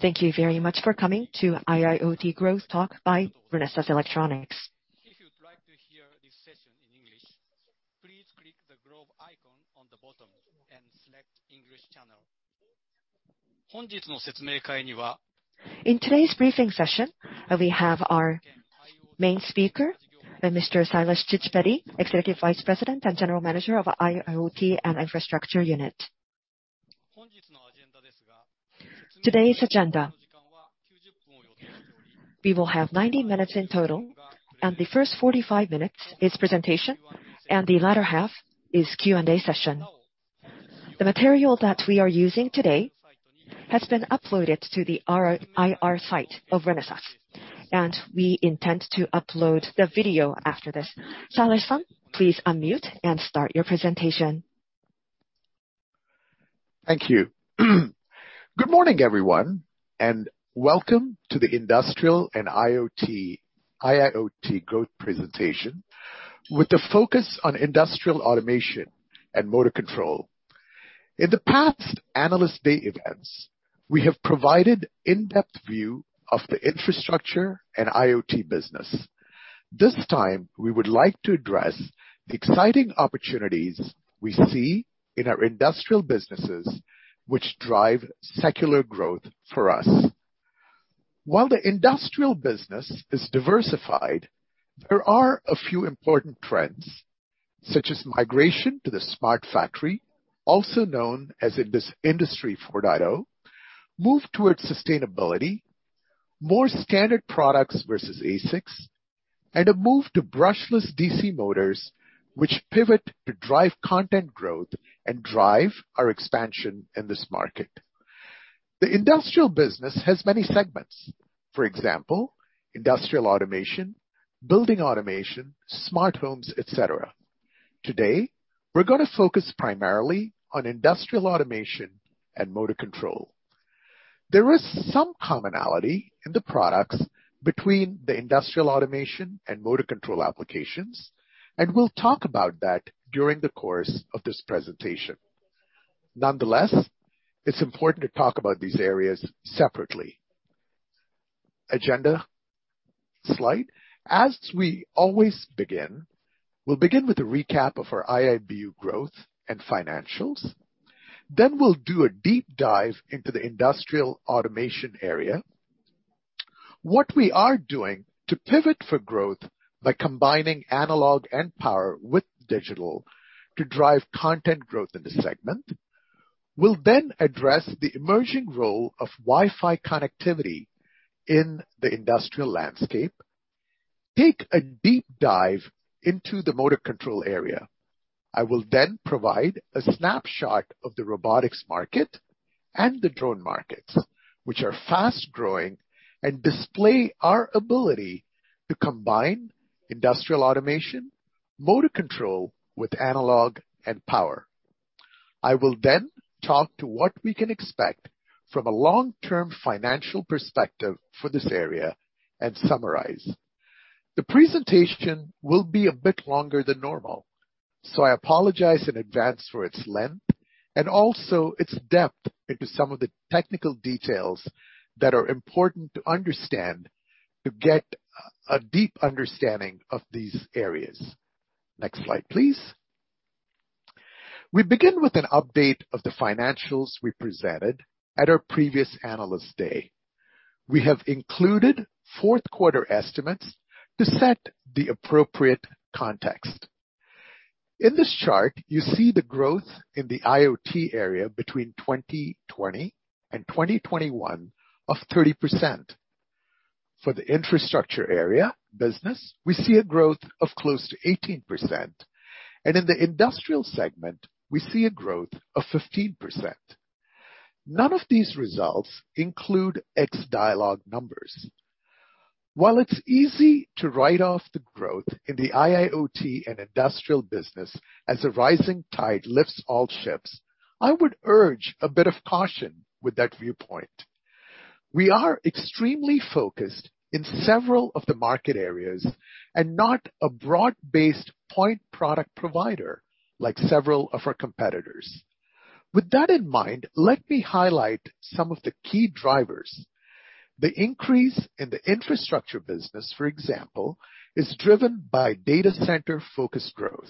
Thank you very much for coming to IIoT Growth Talk by Renesas Electronics. If you'd like to hear this session in English, please click the globe icon on the bottom and select English channel. In today's briefing session, we have our main speaker, Mr. Sailesh Chittipeddi, Executive Vice President and General Manager of IIoT and Infrastructure unit. Today's agenda. We will have 90 minutes in total, and the first 45 minutes is presentation and the latter half is Q&A session. The material that we are using today has been uploaded to the IR site of Renesas, and we intend to upload the video after this. Sailesh, please unmute and start your presentation. Thank you. Good morning, everyone, and welcome to the Industrial and IoT growth presentation with the focus on industrial automation and motor control. In the past Analyst Day events, we have provided in-depth view of the infrastructure and IoT business. This time, we would like to address the exciting opportunities we see in our industrial businesses which drive secular growth for us. While the industrial business is diversified, there are a few important trends, such as migration to the smart factory, also known as Industry 4.0, move towards sustainability, more standard products versus ASICs, and a move to brushless DC motors, which pivot to drive content growth and drive our expansion in this market. The industrial business has many segments. For example, industrial automation, building automation, smart homes, et cetera. Today, we're gonna focus primarily on industrial automation and motor control. There is some commonality in the products between the industrial automation and motor control applications, and we'll talk about that during the course of this presentation. Nonetheless, it's important to talk about these areas separately. Agenda slide. As we always begin with a recap of our IIBU growth and financials, then we'll do a deep dive into the industrial automation area, what we are doing to pivot for growth by combining analog and power with digital to drive content growth in this segment. We'll then address the emerging role of Wi-Fi connectivity in the industrial landscape, take a deep dive into the motor control area. I will then provide a snapshot of the robotics market and the drone markets, which are fast-growing and display our ability to combine industrial automation, motor control with analog and power. I will then talk to what we can expect from a long-term financial perspective for this area and summarize. The presentation will be a bit longer than normal, so I apologize in advance for its length and also its depth into some of the technical details that are important to understand to get a deep understanding of these areas. Next slide, please. We begin with an update of the financials we presented at our previous Analyst Day. We have included fourth quarter estimates to set the appropriate context. In this chart, you see the growth in the IoT area between 2020 and 2021 of 30%. For the infrastructure area business, we see a growth of close to 18%. In the industrial segment, we see a growth of 15%. None of these results include ex-Dialog numbers. While it's easy to write off the growth in the IIoT and industrial business as a rising tide lifts all ships, I would urge a bit of caution with that viewpoint. We are extremely focused in several of the market areas and not a broad-based point product provider like several of our competitors. With that in mind, let me highlight some of the key drivers. The increase in the infrastructure business, for example, is driven by data center-focused growth.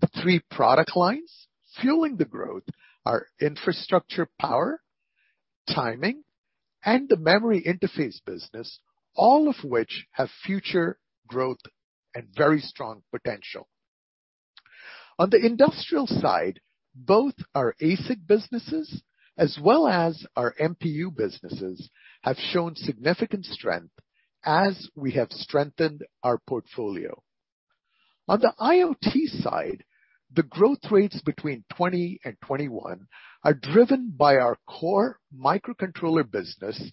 The three product lines fueling the growth are infrastructure power, timing, and the memory interface business, all of which have future growth and very strong potential. On the industrial side, both our ASIC businesses as well as our MPU businesses have shown significant strength as we have strengthened our portfolio. On the IoT side, the growth rates between 2020 and 2021 are driven by our core microcontroller business,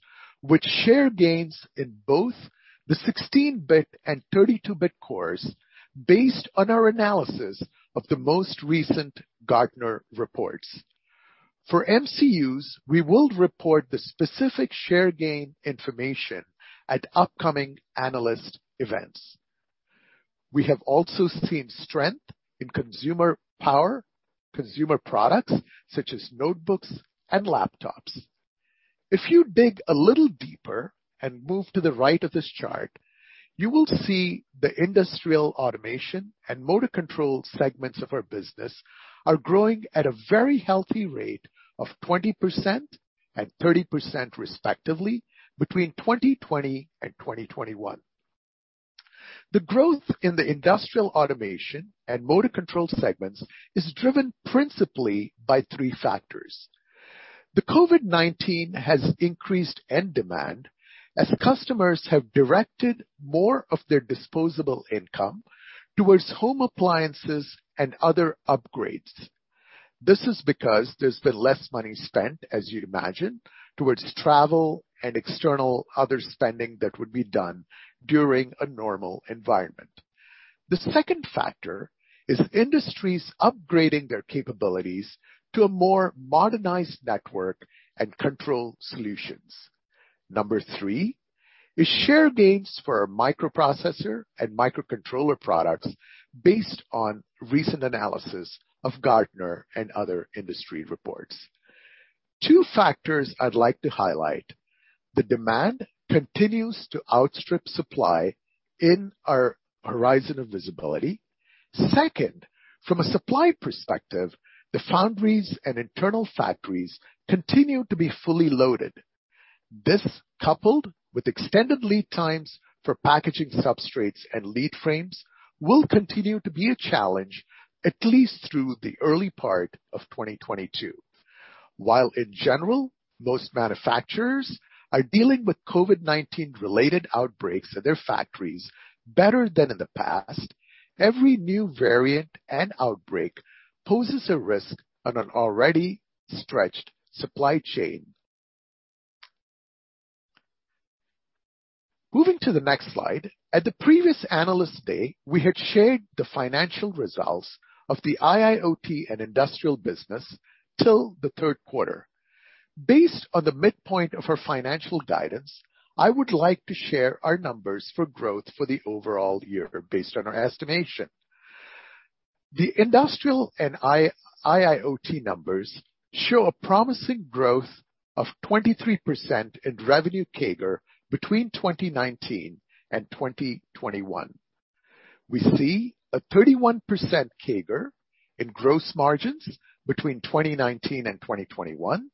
which share gains in both the 16-bit and 32-bit cores based on our analysis of the most recent Gartner reports. For MCUs, we will report the specific share gain information at upcoming analyst events. We have also seen strength in consumer power, consumer products, such as notebooks and laptops. If you dig a little deeper and move to the right of this chart, you will see the industrial automation and motor control segments of our business are growing at a very healthy rate of 20% and 30% respectively between 2020 and 2021. The growth in the industrial automation and motor control segments is driven principally by three factors. The COVID-19 has increased end demand as customers have directed more of their disposable income towards home appliances and other upgrades. This is because there's been less money spent, as you'd imagine, towards travel and external other spending that would be done during a normal environment. The second factor is industries upgrading their capabilities to a more modernized network and control solutions. Number three is share gains for our microprocessor and microcontroller products based on recent analysis of Gartner and other industry reports. Two factors I'd like to highlight. The demand continues to outstrip supply in our horizon of visibility. Second, from a supply perspective, the foundries and internal factories continue to be fully loaded. This, coupled with extended lead times for packaging substrates and lead frames, will continue to be a challenge at least through the early part of 2022. While in general, most manufacturers are dealing with COVID-19 related outbreaks at their factories better than in the past, every new variant and outbreak poses a risk on an already stretched supply chain. Moving to the next slide. At the previous Analyst Day, we had shared the financial results of the IIoT and industrial business till the third quarter. Based on the midpoint of our financial guidance, I would like to share our numbers for growth for the overall year based on our estimation. The Industrial and IoT numbers show a promising growth of 23% in revenue CAGR between 2019 and 2021. We see a 31% CAGR in gross margins between 2019 and 2021,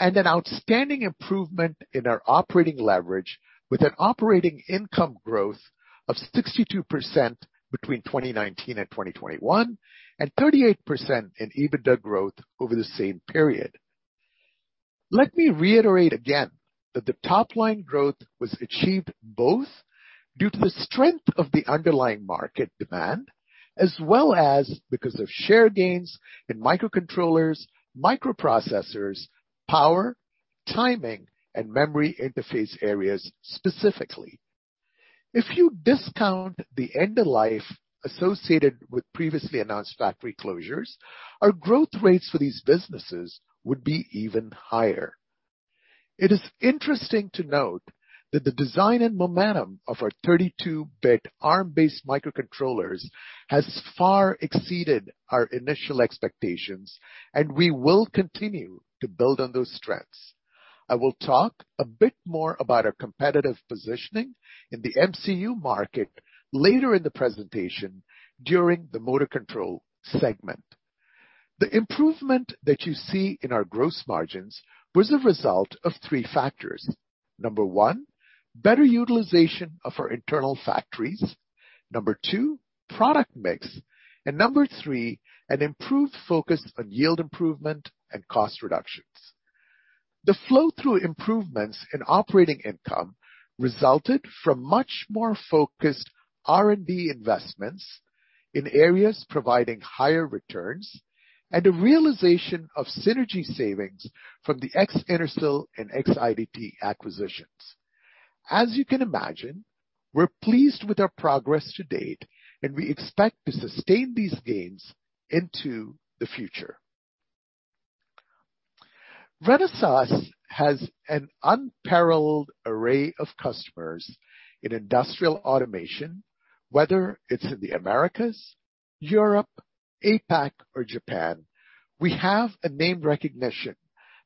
and an outstanding improvement in our operating leverage with an operating income growth of 62% between 2019 and 2021, and 38% in EBITDA growth over the same period. Let me reiterate again that the top line growth was achieved both due to the strength of the underlying market demand as well as because of share gains in microcontrollers, microprocessors, power, timing, and memory interface areas specifically. If you discount the end of life associated with previously announced factory closures, our growth rates for these businesses would be even higher. It is interesting to note that the design and momentum of our 32-bit Arm-based microcontrollers has far exceeded our initial expectations, and we will continue to build on those strengths. I will talk a bit more about our competitive positioning in the MCU market later in the presentation during the motor control segment. The improvement that you see in our gross margins was a result of three factors. Number 1, better utilization of our internal factories. Number 2, product mix. Number 3, an improved focus on yield improvement and cost reductions. The flow through improvements in operating income resulted from much more focused R&D investments in areas providing higher returns and a realization of synergy savings from the ex-Intersil and ex-IDT acquisitions. As you can imagine, we're pleased with our progress to date, and we expect to sustain these gains into the future. Renesas has an unparalleled array of customers in industrial automation, whether it's in the Americas, Europe, APAC or Japan. We have a name recognition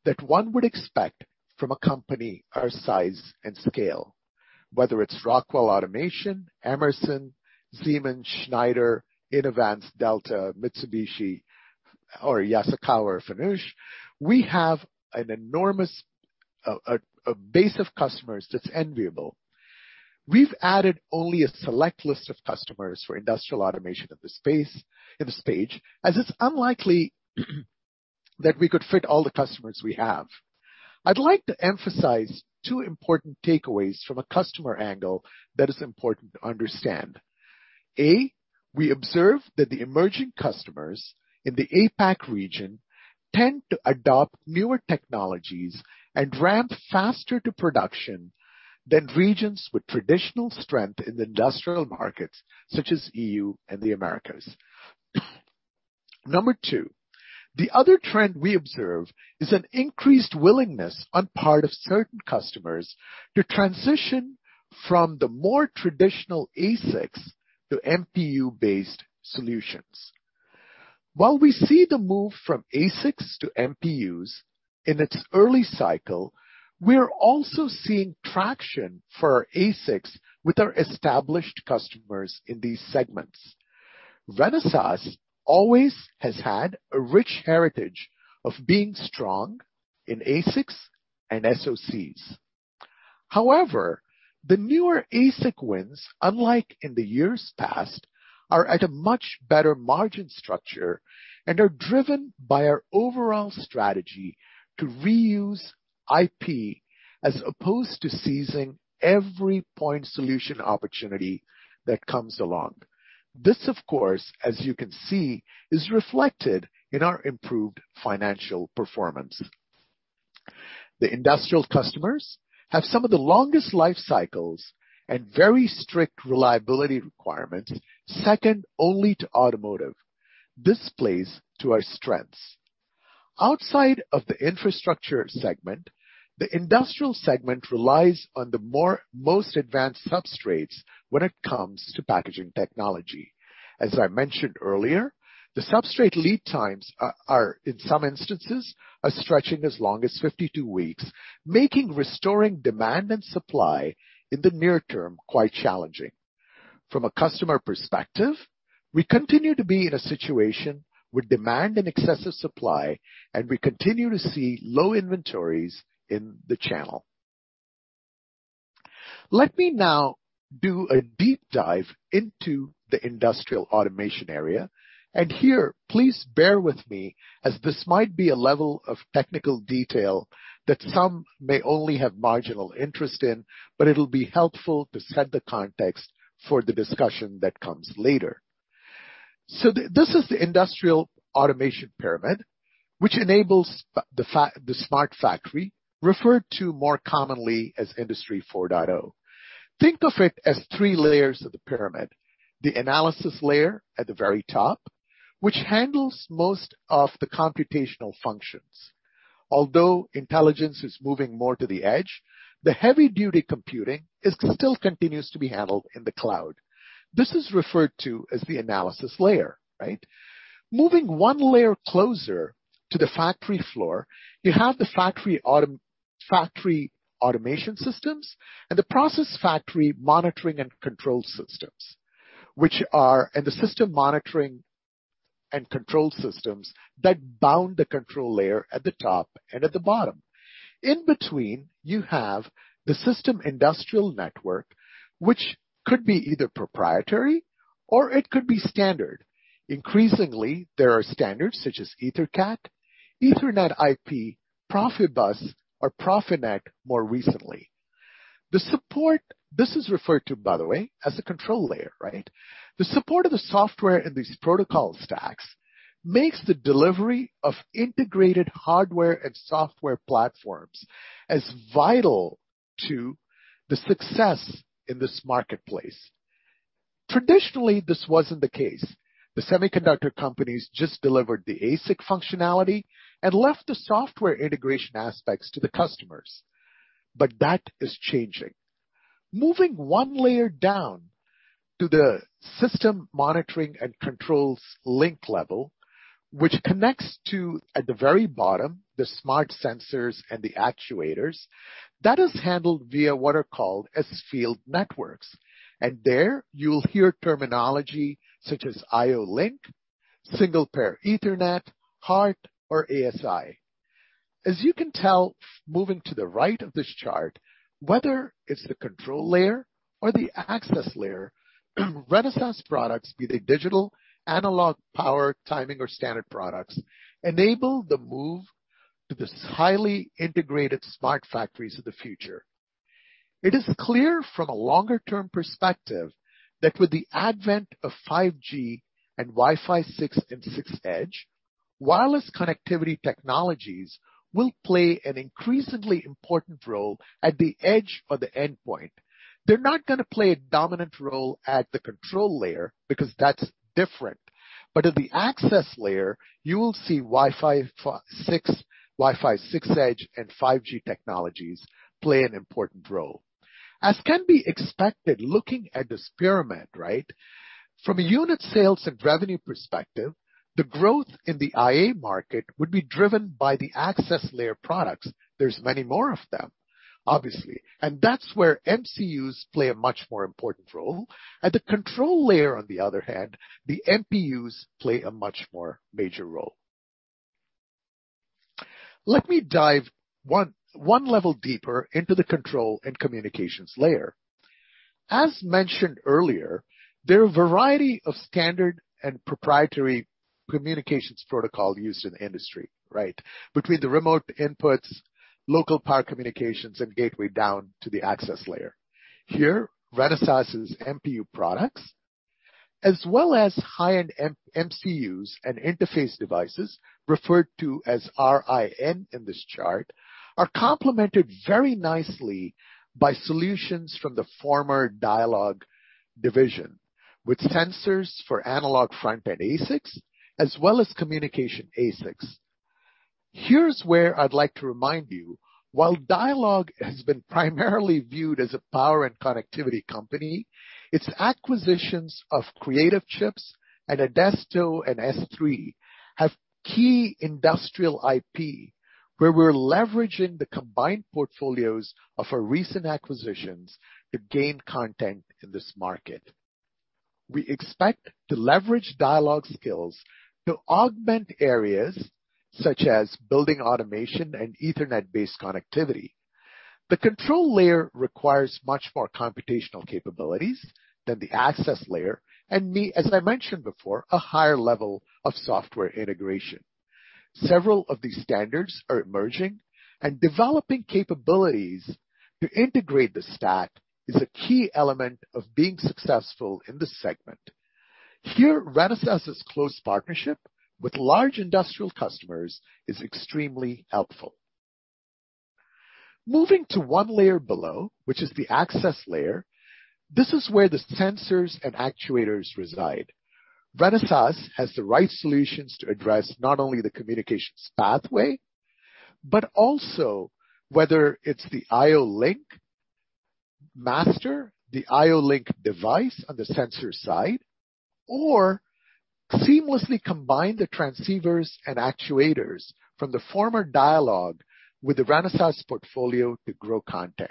that one would expect from a company our size and scale, whether it's Rockwell Automation, Emerson, Siemens, Schneider, Inovance, Delta, Mitsubishi or Yaskawa or FANUC. We have an enormous base of customers that's enviable. We've added only a select list of customers for industrial automation in the space on this page, as it's unlikely that we could fit all the customers we have. I'd like to emphasize two important takeaways from a customer angle that is important to understand. A, we observe that the emerging customers in the APAC region tend to adopt newer technologies and ramp faster to production than regions with traditional strength in the industrial markets such as EU and the Americas. Number two, the other trend we observe is an increased willingness on part of certain customers to transition from the more traditional ASICs to MPU-based solutions. While we see the move from ASICs to MPUs in its early cycle, we are also seeing traction for ASICs with our established customers in these segments. Renesas always has had a rich heritage of being strong in ASICs and SoCs. However, the newer ASIC wins, unlike in the years past, are at a much better margin structure and are driven by our overall strategy to reuse IP as opposed to seizing every point solution opportunity that comes along. This, of course, as you can see, is reflected in our improved financial performance. The industrial customers have some of the longest life cycles and very strict reliability requirements, second only to automotive. This plays to our strengths. Outside of the infrastructure segment, the industrial segment relies on the most advanced substrates when it comes to packaging technology. As I mentioned earlier, the substrate lead times are in some instances stretching as long as 52 weeks, making restoring demand and supply in the near term quite challenging. From a customer perspective, we continue to be in a situation with demand in excess of supply, and we continue to see low inventories in the channel. Let me now do a deep dive into the industrial automation area, and here please bear with me as this might be a level of technical detail that some may only have marginal interest in, but it'll be helpful to set the context for the discussion that comes later. This is the industrial automation pyramid, which enables the smart factory, referred to more commonly as Industry 4.0. Think of it as three layers of the pyramid. The analysis layer at the very top, which handles most of the computational functions. Although intelligence is moving more to the edge, the heavy-duty computing is still continues to be handled in the cloud. This is referred to as the analysis layer, right? Moving one layer closer to the factory floor, you have the factory automation systems and the process factory monitoring and control systems, which are the system monitoring and control systems that bound the control layer at the top and at the bottom. In between, you have the system industrial network, which could be either proprietary or it could be standard. Increasingly, there are standards such as EtherCAT, EtherNet/IP, PROFIBUS, or PROFINET more recently. This is referred to, by the way, as a control layer, right? The support of the software in these protocol stacks makes the delivery of integrated hardware and software platforms as vital to the success in this marketplace. Traditionally, this wasn't the case. The semiconductor companies just delivered the ASIC functionality and left the software integration aspects to the customers. That is changing. Moving one layer down to the system monitoring and controls link level, which connects to, at the very bottom, the smart sensors and the actuators, that is handled via what are called as field networks. There you'll hear terminology such as IO-Link, Single Pair Ethernet, HART, or AS-i. As you can tell, moving to the right of this chart, whether it's the control layer or the access layer, Renesas products, be they digital, analog, power, timing, or standard products, enable the move to this highly integrated smart factories of the future. It is clear from a longer-term perspective that with the advent of 5G and Wi-Fi 6 and 6E, wireless connectivity technologies will play an increasingly important role at the edge or the endpoint. They're not gonna play a dominant role at the control layer because that's different. At the access layer you will see Wi-Fi 6, Wi-Fi 6E and 5G technologies play an important role. As can be expected, looking at this pyramid, right? From a unit sales and revenue perspective, the growth in the IA market would be driven by the access layer products. There's many more of them, obviously, and that's where MCUs play a much more important role. At the control layer, on the other hand, the MPUs play a much more major role. Let me dive one level deeper into the control and communications layer. As mentioned earlier, there are a variety of standard and proprietary communications protocol used in the industry, right? Between the remote inputs, local power communications, and gateway down to the access layer. Here, Renesas' MPU products as well as high-end MCUs and interface devices, referred to as R-IN in this chart, are complemented very nicely by solutions from the former Dialog division, with sensors for analog front-end ASICs as well as communication ASICs. Here's where I'd like to remind you, while Dialog has been primarily viewed as a power and connectivity company, its acquisitions of Creative Chips and Adesto Technologies and S3 Semiconductors have key industrial IP, where we're leveraging the combined portfolios of our recent acquisitions to gain content in this market. We expect to leverage Dialog skills to augment areas such as building automation and Ethernet-based connectivity. The control layer requires much more computational capabilities than the access layer and need, as I mentioned before, a higher level of software integration. Several of these standards are emerging, and developing capabilities to integrate the stack is a key element of being successful in this segment. Here, Renesas' close partnership with large industrial customers is extremely helpful. Moving to one layer below, which is the access layer, this is where the sensors and actuators reside. Renesas has the right solutions to address not only the communications pathway, but also whether it's the IO-Link Master, the IO-Link device on the sensor side, or seamlessly combine the transceivers and actuators from the former Dialog with the Renesas portfolio to grow content.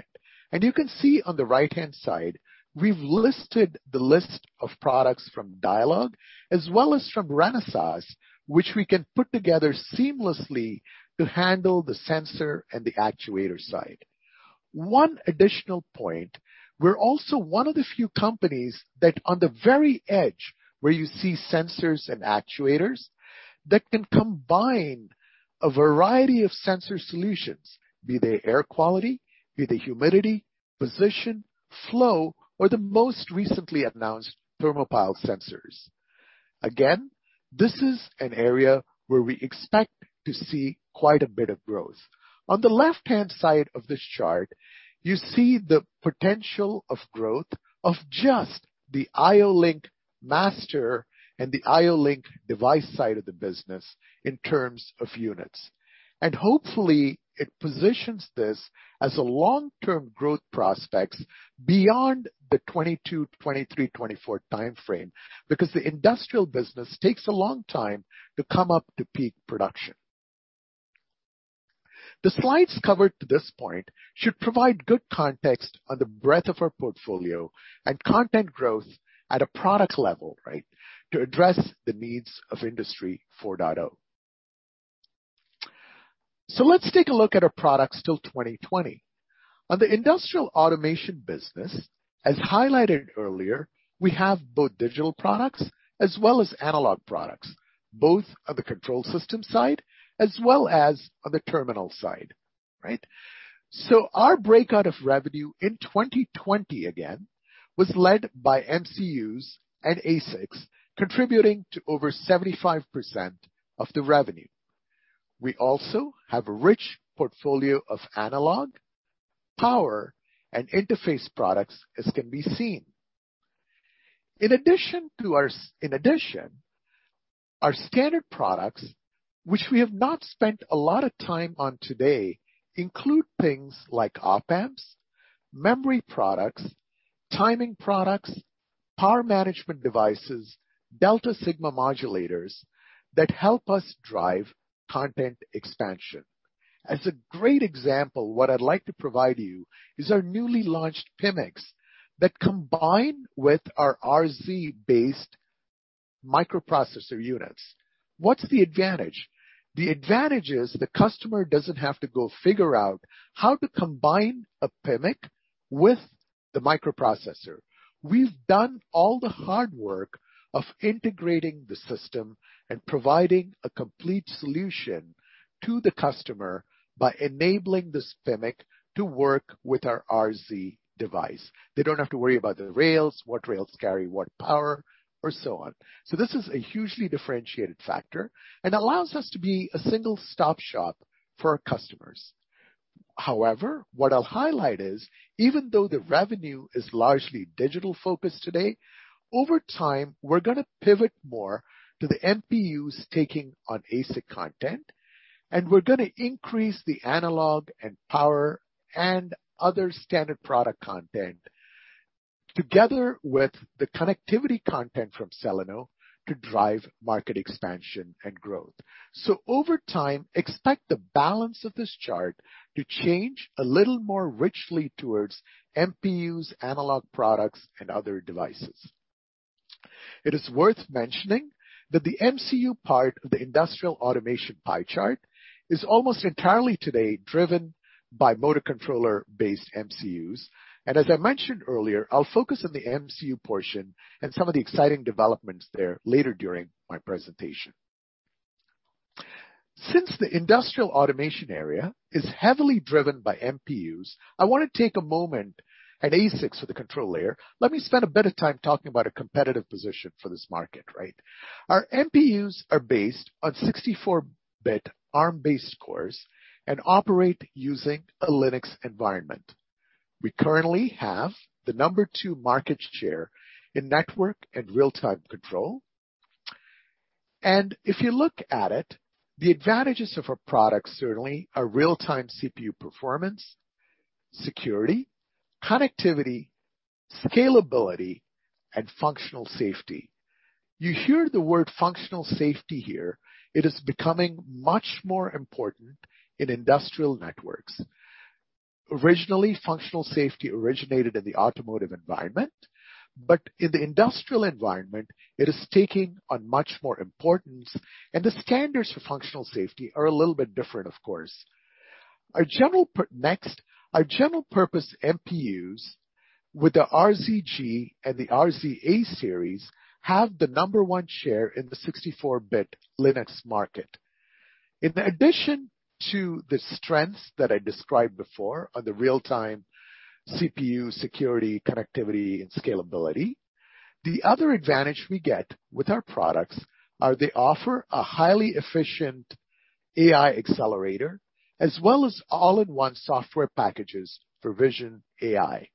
You can see on the right-hand side, we've listed the list of products from Dialog as well as from Renesas, which we can put together seamlessly to handle the sensor and the actuator side. One additional point, we're also one of the few companies that on the very edge where you see sensors and actuators that can combine a variety of sensor solutions, be they air quality, be they humidity, position, flow, or the most recently announced thermopile sensors. Again, this is an area where we expect to see quite a bit of growth. On the left-hand side of this chart, you see the potential of growth of just the IO-Link Master and the IO-Link device side of the business in terms of units. Hopefully, it positions this as a long-term growth prospects beyond the 2022, 2023, 2024 timeframe, because the industrial business takes a long time to come up to peak production. The slides covered to this point should provide good context on the breadth of our portfolio and content growth at a product level, right? To address the needs of Industry 4.0. Let's take a look at our products till 2020. On the industrial automation business, as highlighted earlier, we have both digital products as well as analog products, both on the control system side as well as on the terminal side. Right? Our breakdown of revenue in 2020 again was led by MCUs and ASICs contributing to over 75% of the revenue. We also have a rich portfolio of analog, power, and interface products as can be seen. In addition, our standard products, which we have not spent a lot of time on today, include things like op-amps, memory products, timing products, power management devices, delta-sigma modulators that help us drive content expansion. As a great example, what I'd like to provide you is our newly launched PMICs that combine with our RZ-based microprocessor units. What's the advantage? The advantage is the customer doesn't have to go figure out how to combine a PMIC with the microprocessor. We've done all the hard work of integrating the system and providing a complete solution to the customer by enabling this PMIC to work with our RZ device. They don't have to worry about the rails, what rails carry what power or so on. This is a hugely differentiated factor and allows us to be a one-stop shop for our customers. However, what I'll highlight is, even though the revenue is largely digital-focused today, over time, we're gonna pivot more to the MPUs taking on ASIC content, and we're gonna increase the analog and power and other standard product content together with the connectivity content from Celeno to drive market expansion and growth. Over time, expect the balance of this chart to change a little more richly towards MPUs, analog products and other devices. It is worth mentioning that the MCU part of the industrial automation pie chart is almost entirely today driven by motor controller-based MCUs. As I mentioned earlier, I'll focus on the MCU portion and some of the exciting developments there later during my presentation. Since the industrial automation area is heavily driven by MPUs, I wanna take a moment at ASICs for the control layer. Let me spend a bit of time talking about a competitive position for this market, right? Our MPUs are based on 64-bit Arm-based cores and operate using a Linux environment. We currently have the number 2 market share in network and real-time control. If you look at it, the advantages of our products certainly are real-time CPU performance, security, connectivity, scalability, and functional safety. You hear the word functional safety here. It is becoming much more important in industrial networks. Originally, functional safety originated in the automotive environment, but in the industrial environment, it is taking on much more importance, and the standards for functional safety are a little bit different, of course. Next, our general purpose MPUs with the RZ/G and the RZ/A series have the number 1 share in the 64-bit Linux market. In addition to the strengths that I described before on the real-time CPU security, connectivity, and scalability, the other advantage we get with our products are they offer a highly efficient AI accelerator as well as all-in-one software packages for vision AI.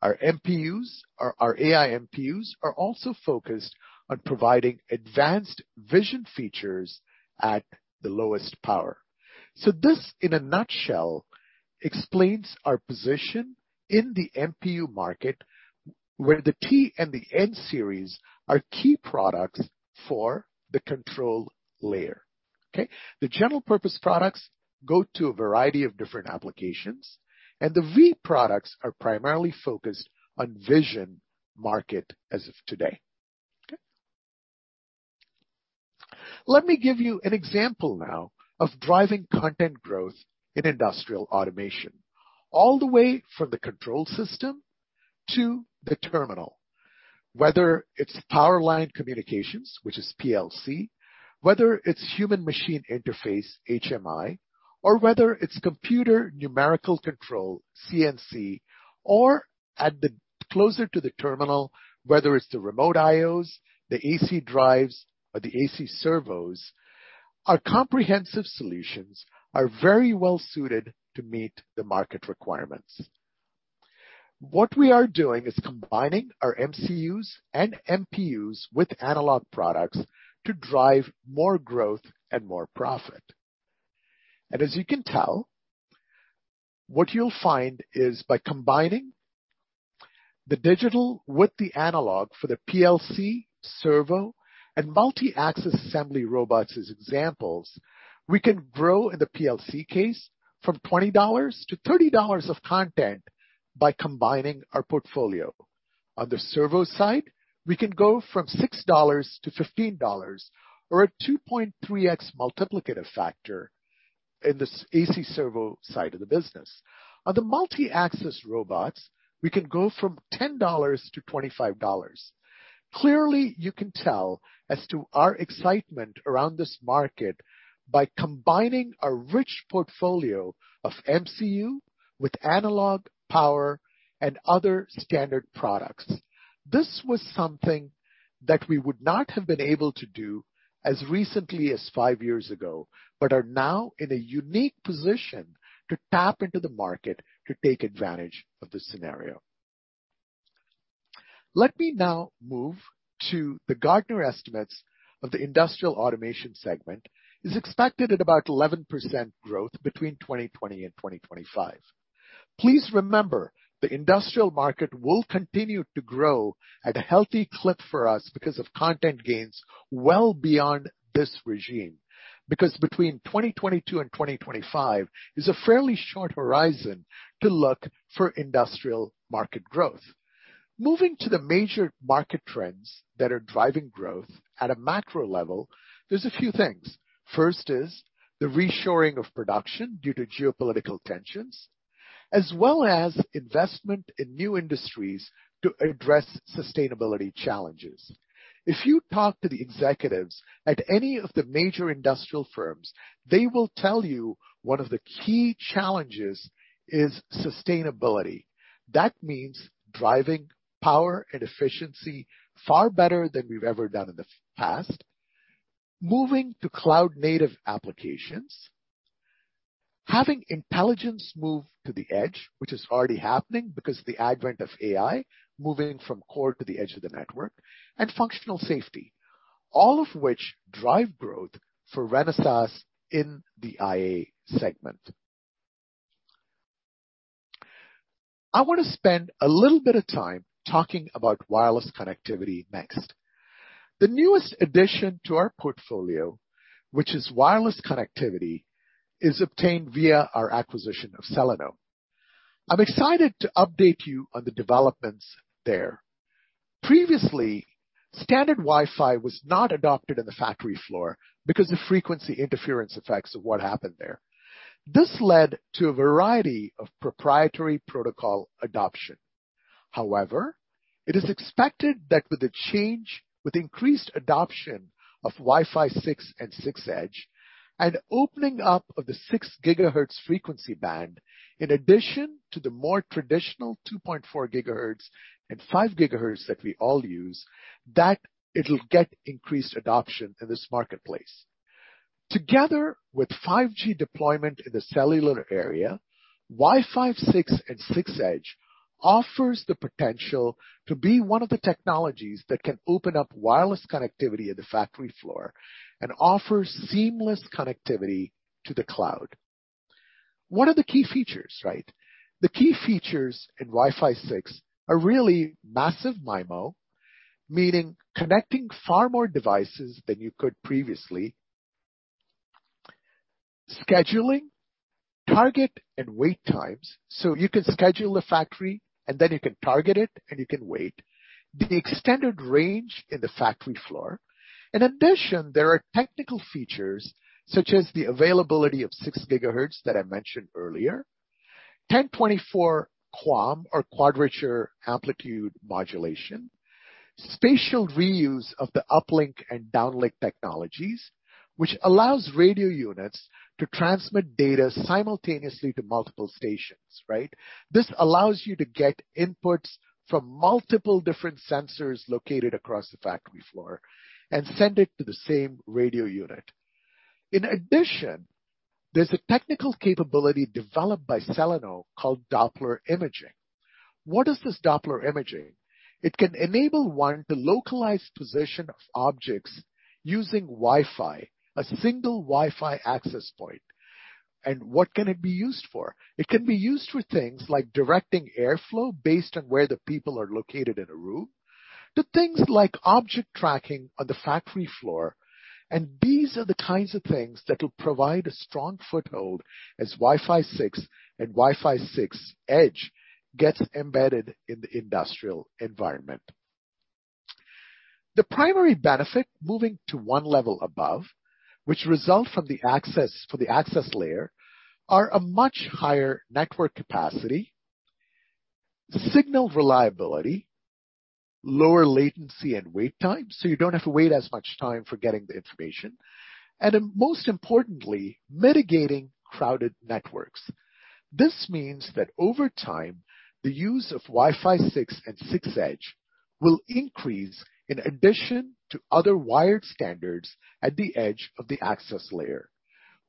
Our MPUs or our AI MPUs are also focused on providing advanced vision features at the lowest power. This, in a nutshell, explains our position in the MPU market, where the RZ/T and the RZ/N series are key products for the control layer. Okay? The general purpose products go to a variety of different applications, and the RZ/V products are primarily focused on vision market as of today. Okay? Let me give you an example now of driving content growth in industrial automation, all the way from the control system to the terminal. Whether it's power line communications, which is PLC, whether it's human machine interface, HMI, or whether it's computer numerical control, CNC, or closer to the terminal, whether it's the remote IOs, the AC drives, or the AC servos, our comprehensive solutions are very well suited to meet the market requirements. What we are doing is combining our MCUs and MPUs with analog products to drive more growth and more profit. As you can tell, what you'll find is by combining the digital with the analog for the PLC, servo, and multi-axis assembly robots as examples, we can grow in the PLC case from $20-$30 of content by combining our portfolio. On the servo side, we can go from $6-$15 or a 2.3x multiplicative factor in the AC servo side of the business. On the multi-axis robots, we can go from $10-$25. Clearly, you can tell as to our excitement around this market by combining a rich portfolio of MCU with analog power and other standard products. This was something that we would not have been able to do as recently as five years ago, but are now in a unique position to tap into the market to take advantage of this scenario. Let me now move to the Gartner estimates of the industrial automation segment is expected at about 11% growth between 2020 and 2025. Please remember, the industrial market will continue to grow at a healthy clip for us because of content gains well beyond this regime. Because between 2022 and 2025 is a fairly short horizon to look for industrial market growth. Moving to the major market trends that are driving growth at a macro level, there's a few things. First is the reshoring of production due to geopolitical tensions, as well as investment in new industries to address sustainability challenges. If you talk to the executives at any of the major industrial firms, they will tell you one of the key challenges is sustainability. That means driving power and efficiency far better than we've ever done in the past, moving to cloud-native applications, having intelligence move to the edge, which is already happening because the advent of AI moving from core to the edge of the network, and functional safety, all of which drive growth for Renesas in the IA segment. I wanna spend a little bit of time talking about wireless connectivity next. The newest addition to our portfolio, which is wireless connectivity, is obtained via our acquisition of Celeno. I'm excited to update you on the developments there. Previously, standard Wi-Fi was not adopted in the factory floor because the frequency interference effects of what happened there. This led to a variety of proprietary protocol adoption. However, it is expected that with the change, with increased adoption of Wi-Fi 6 and Wi-Fi 6E, an opening up of the 6 GHz frequency band, in addition to the more traditional 2.4 GHz and 5 GHz that we all use, that it'll get increased adoption in this marketplace. Together with 5G deployment in the cellular area, Wi-Fi 6 and Wi-Fi 6E offers the potential to be one of the technologies that can open up wireless connectivity in the factory floor and offer seamless connectivity to the cloud. What are the key features, right? The key features in Wi-Fi 6 are really massive MIMO, meaning connecting far more devices than you could previously. Scheduling, target, and wait times, so you can schedule a factory, and then you can target it, and you can wait. The extended range in the factory floor. In addition, there are technical features, such as the availability of 6 GHz that I mentioned earlier. 1024 QAM or Quadrature Amplitude Modulation. Spatial reuse of the uplink and downlink technologies, which allows radio units to transmit data simultaneously to multiple stations, right? This allows you to get inputs from multiple different sensors located across the factory floor and send it to the same radio unit. In addition, there's a technical capability developed by Celeno called Wi-Fi Doppler Imaging. What is this Doppler Imaging? It can enable one to localize position of objects using Wi-Fi, a single Wi-Fi access point. What can it be used for? It can be used for things like directing airflow based on where the people are located in a room to things like object tracking on the factory floor. These are the kinds of things that will provide a strong foothold as Wi-Fi 6 and Wi-Fi 6E gets embedded in the industrial environment. The primary benefit, moving to one level above, which results from the access layer, are a much higher network capacity, signal reliability, lower latency and wait time, so you don't have to wait as much time for getting the information, and most importantly, mitigating crowded networks. This means that over time, the use of Wi-Fi 6 and 6E will increase in addition to other wired standards at the edge of the access layer.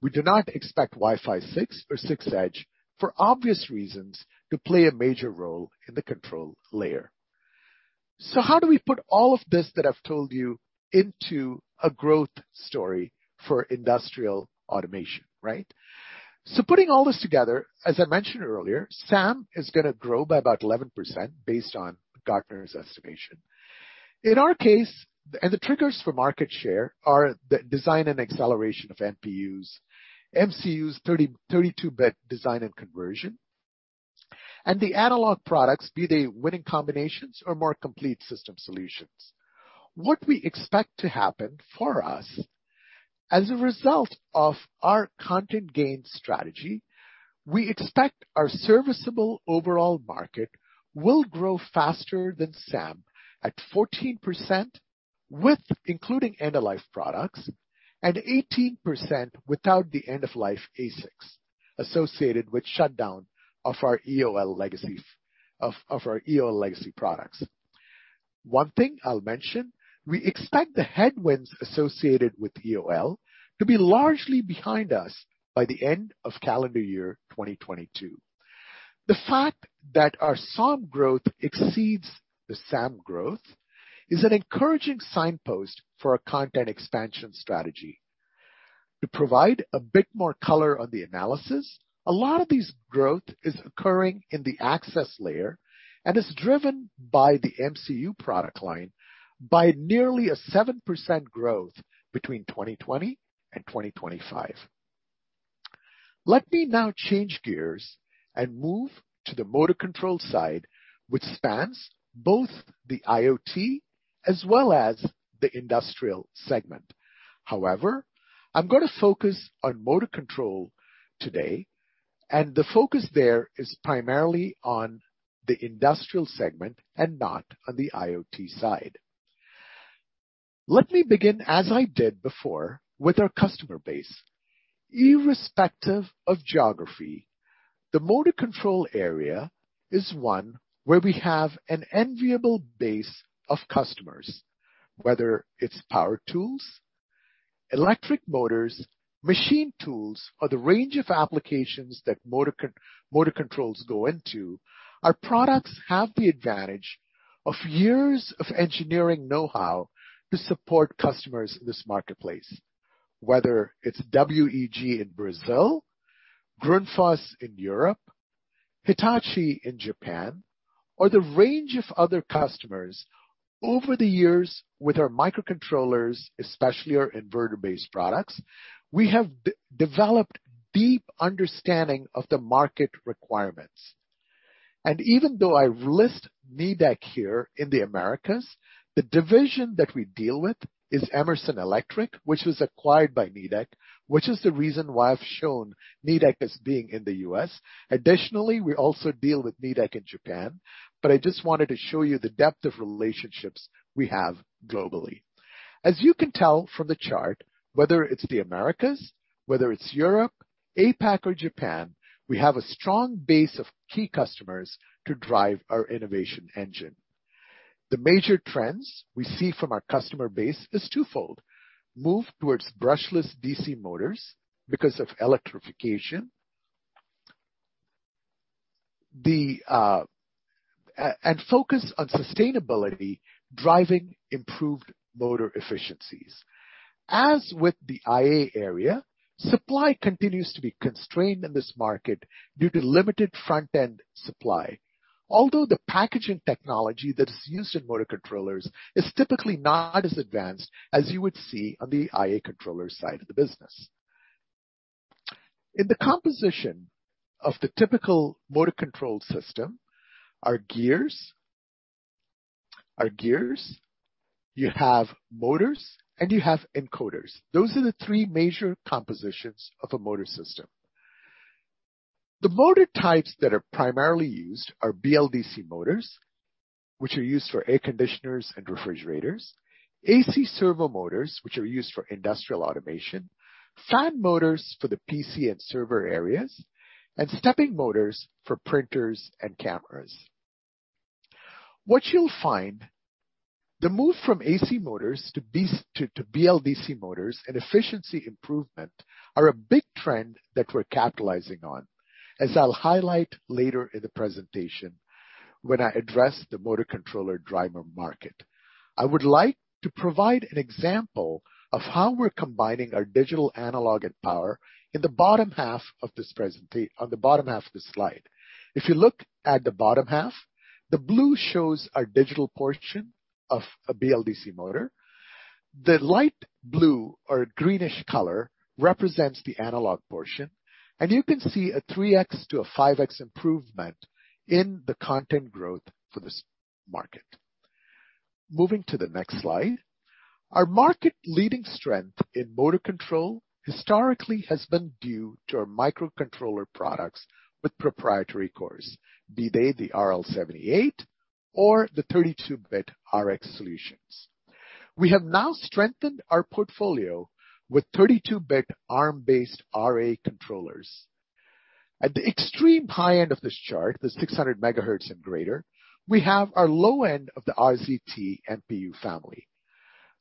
We do not expect Wi-Fi 6 or 6E, for obvious reasons, to play a major role in the control layer. How do we put all of this that I've told you into a growth story for industrial automation, right? Putting all this together, as I mentioned earlier, SAM is gonna grow by about 11% based on Gartner's estimation. In our case, the triggers for market share are the design and acceleration of NPUs, MCUs 32-bit design and conversion, and the analog products, be they winning combinations or more complete system solutions. What we expect to happen for us as a result of our content gain strategy, we expect our serviceable overall market will grow faster than SAM at 14% with including end-of-life products and 18% without the end-of-life ASICs associated with shutdown of our EOL legacy products. One thing I'll mention, we expect the headwinds associated with EOL to be largely behind us by the end of calendar year 2022. The fact that our SOM growth exceeds the SAM growth is an encouraging signpost for our content expansion strategy. To provide a bit more color on the analysis, a lot of this growth is occurring in the access layer and is driven by the MCU product line by nearly a 7% growth between 2020 and 2025. Let me now change gears and move to the motor control side, which spans both the IoT as well as the Industrial segment. However, I'm gonna focus on motor control today, and the focus there is primarily on the Industrial segment and not on the IoT side. Let me begin, as I did before, with our customer base. Irrespective of geography, the motor control area is one where we have an enviable base of customers. Whether it's power tools, electric motors, machine tools, or the range of applications that motor controls go into, our products have the advantage of years of engineering know-how to support customers in this marketplace. Whether it's WEG in Brazil, Grundfos in Europe, Hitachi in Japan, or the range of other customers, over the years with our microcontrollers, especially our inverter-based products, we have developed deep understanding of the market requirements. Even though I've listed Nidec here in the Americas, the division that we deal with is Emerson Electric, which was acquired by Nidec, which is the reason why I've shown Nidec as being in the U.S. Additionally, we also deal with Nidec in Japan, but I just wanted to show you the depth of relationships we have globally. As you can tell from the chart, whether it's the Americas, Europe, APAC or Japan, we have a strong base of key customers to drive our innovation engine. The major trends we see from our customer base is twofold. Move towards brushless DC motors because of electrification and focus on sustainability, driving improved motor efficiencies. As with the IA area, supply continues to be constrained in this market due to limited front-end supply. Although the packaging technology that is used in motor controllers is typically not as advanced as you would see on the IA controller side of the business. In the composition of the typical motor control system are gears, motors, and encoders. Those are the three major components of a motor system. The motor types that are primarily used are BLDC motors, which are used for air conditioners and refrigerators, AC servo motors, which are used for industrial automation, fan motors for the PC and server areas, and stepping motors for printers and cameras. What you'll find, the move from AC motors to BLDC motors and efficiency improvement are a big trend that we're capitalizing on, as I'll highlight later in the presentation when I address the motor controller driver market. I would like to provide an example of how we're combining our digital, analog and power in the bottom half of this slide. If you look at the bottom half, the blue shows our digital portion of a BLDC motor. The light blue or greenish color represents the analog portion, and you can see a 3x-5x improvement in the content growth for this market. Moving to the next slide. Our market-leading strength in motor control historically has been due to our microcontroller products with proprietary cores, be they the RL78 or the 32-bit RX solutions. We have now strengthened our portfolio with 32-bit Arm-based RA controllers. At the extreme high end of this chart, the 600 MHz and greater, we have our low end of the RZ/T MPU family.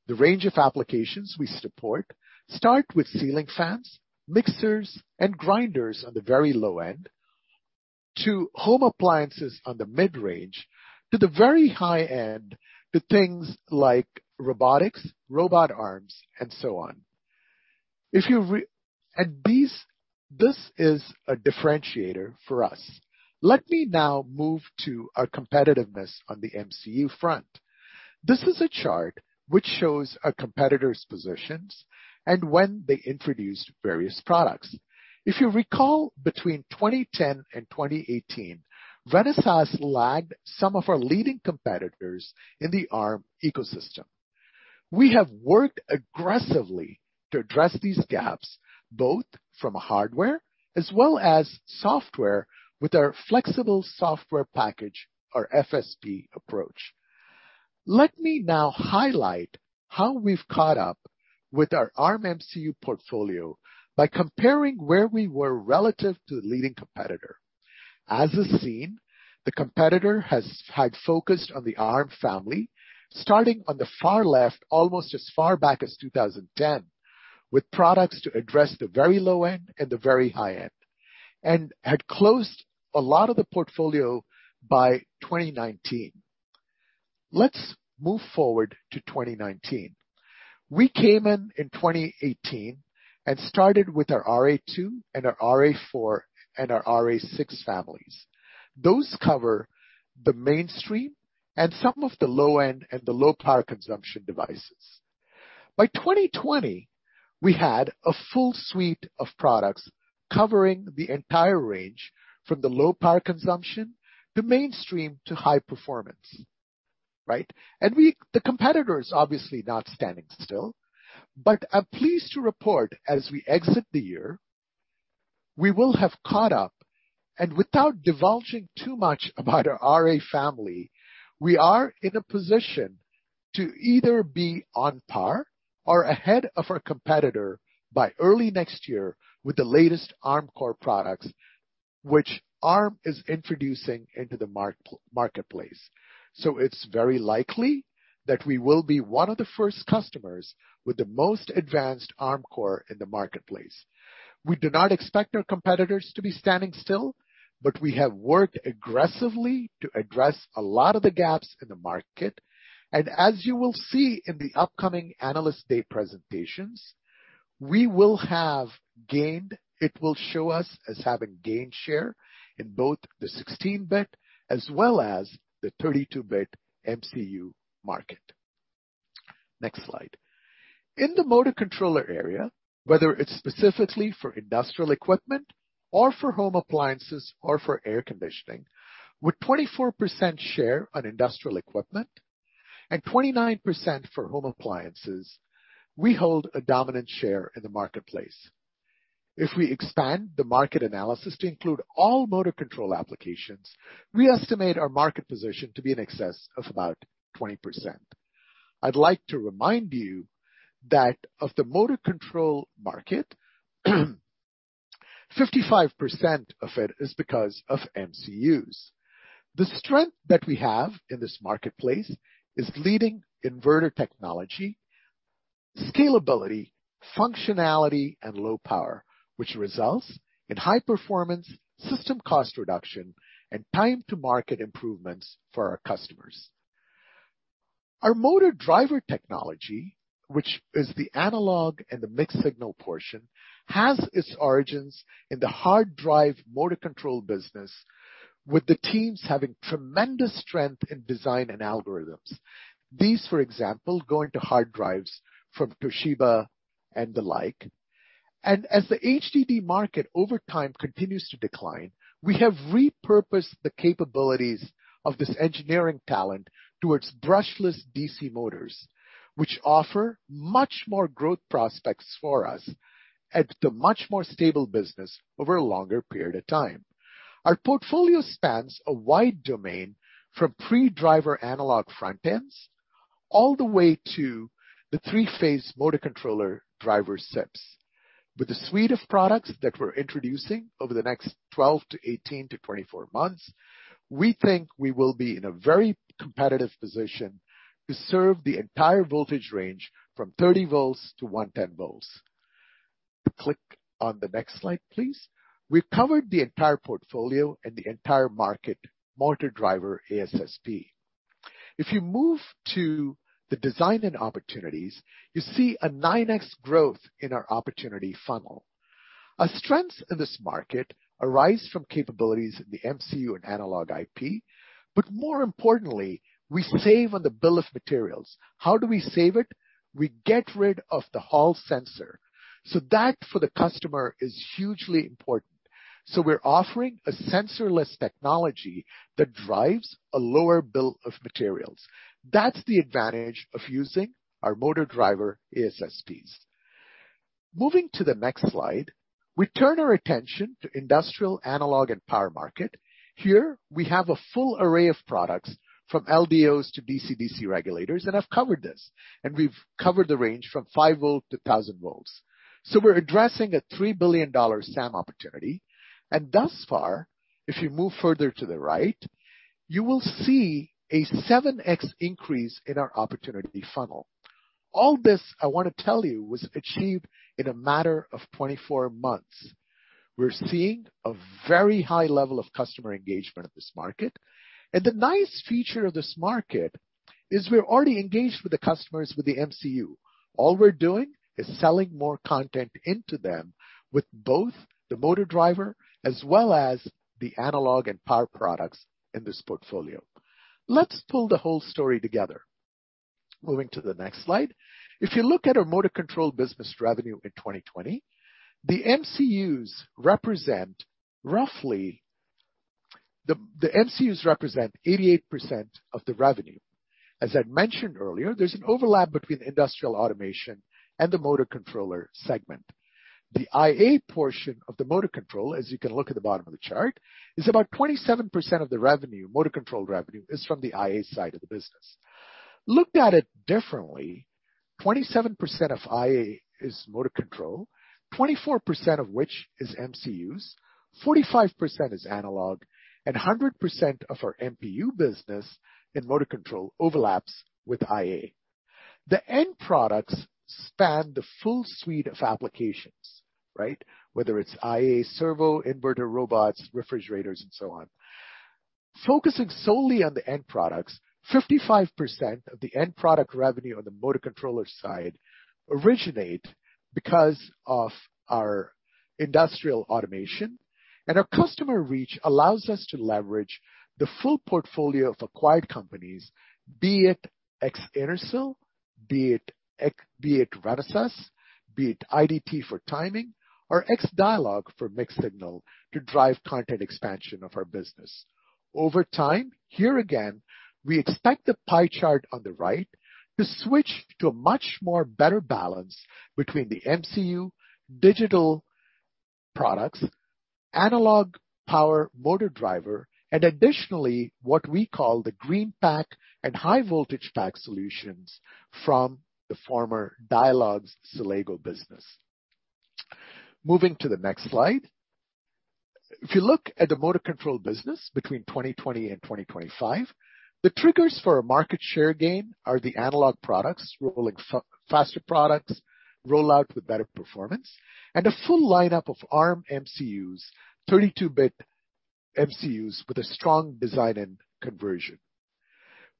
The range of applications we support start with ceiling fans, mixers, and grinders on the very low end, to home appliances on the mid-range, to the very high end, to things like robotics, robot arms and so on. These, this is a differentiator for us. Let me now move to our competitiveness on the MCU front. This is a chart which shows our competitors' positions and when they introduced various products. If you recall, between 2010 and 2018, Renesas lagged some of our leading competitors in the Arm ecosystem. We have worked aggressively to address these gaps, both from a hardware as well as software with our flexible software package or FSP approach. Let me now highlight how we've caught up with our Arm MCU portfolio by comparing where we were relative to the leading competitor. As is seen, the competitor has had focused on the Arm family, starting on the far left, almost as far back as 2010, with products to address the very low end and the very high end, and had closed a lot of the portfolio by 2019. Let's move forward to 2019. We came in in 2018 and started with our RA2 and our RA4 and our RA6 families. Those cover the mainstream and some of the low end and the low power consumption devices. By 2020, we had a full suite of products covering the entire range from the low power consumption to mainstream to high performance, right? The competitor is obviously not standing still, but I'm pleased to report as we exit the year, we will have caught up. Without divulging too much about our RA family, we are in a position to either be on par or ahead of our competitor by early next year with the latest Arm Core products, which Arm is introducing into the marketplace. So it's very likely that we will be one of the first customers with the most advanced Arm Core in the marketplace. We do not expect our competitors to be standing still, but we have worked aggressively to address a lot of the gaps in the market. As you will see in the upcoming Analyst Day presentations, we will have gained. It will show us as having gained share in both the 16-bit as well as the 32-bit MCU market. Next slide. In the motor controller area, whether it's specifically for industrial equipment or for home appliances or for air conditioning, with 24% share on industrial equipment and 29% for home appliances, we hold a dominant share in the marketplace. If we expand the market analysis to include all motor control applications, we estimate our market position to be in excess of about 20%. I'd like to remind you that of the motor control market, 55% of it is because of MCUs. The strength that we have in this marketplace is leading inverter technology, scalability, functionality, and low power, which results in high performance, system cost reduction, and time to market improvements for our customers. Our motor driver technology, which is the analog and the mixed signal portion, has its origins in the hard drive motor control business, with the teams having tremendous strength in design and algorithms. These, for example, go into hard drives from Toshiba and the like. As the HDD market over time continues to decline, we have repurposed the capabilities of this engineering talent towards brushless DC motors, which offer much more growth prospects for us at the much more stable business over a longer period of time. Our portfolio spans a wide domain from pre-driver analog front ends all the way to the 3-phase motor controller driver SIPs. With the suite of products that we're introducing over the next 12 to 18 to 24 months, we think we will be in a very competitive position to serve the entire voltage range from 30 volts to 110 volts. Click on the next slide, please. We've covered the entire portfolio and the entire market motor driver ASSP. If you move to the design-in opportunities, you see a 9x growth in our opportunity funnel. Our strengths in this market arise from capabilities in the MCU and analog IP, but more importantly, we save on the bill of materials. How do we save it? We get rid of the hall sensor. That for the customer is hugely important. We're offering a sensor-less technology that drives a lower bill of materials. That's the advantage of using our motor driver ASSPs. Moving to the next slide, we turn our attention to industrial analog and power market. Here we have a full array of products from LDOs to DC DC regulators, and I've covered this. We've covered the range from 5 V to 1,000 V. We're addressing a $3 billion SAM opportunity. Thus far, if you move further to the right, you will see a 7x increase in our opportunity funnel. All this I wanna tell you was achieved in a matter of 24 months. We're seeing a very high level of customer engagement in this market. The nice feature of this market is we're already engaged with the customers with the MCU. All we're doing is selling more content into them with both the motor driver as well as the analog and power products in this portfolio. Let's pull the whole story together. Moving to the next slide. If you look at our motor control business revenue in 2020, the MCUs represent roughly 88% of the revenue. As I mentioned earlier, there's an overlap between industrial automation and the motor controller segment. The IA portion of the motor control, as you can look at the bottom of the chart, is about 27% of the revenue. Motor control revenue is from the IA side of the business. Looked at it differently, 27% of IA is motor control, 24% of which is MCUs, 45% is analog, and 100% of our MPU business in motor control overlaps with IA. The end products span the full suite of applications, right? Whether it's IA, servo, inverter, robots, refrigerators and so on. Focusing solely on the end products, 55% of the end product revenue on the motor controller side originate because of our industrial automation. Our customer reach allows us to leverage the full portfolio of acquired companies, be it ex-Intersil, be it Renesas, be it IDT for timing, or ex-Dialog for mixed signal to drive content expansion of our business. Over time, here again, we expect the pie chart on the right to switch to a much more better balance between the MCU digital products, analog power motor driver, and additionally what we call the GreenPAK and HVPAK solutions from the former Dialog's Silego business. Moving to the next slide. If you look at the motor control business between 2020 and 2025, the triggers for a market share gain are the analog products, rolling faster products, rollout with better performance, and a full lineup of Arm MCUs, 32-bit MCUs with a strong design and conversion.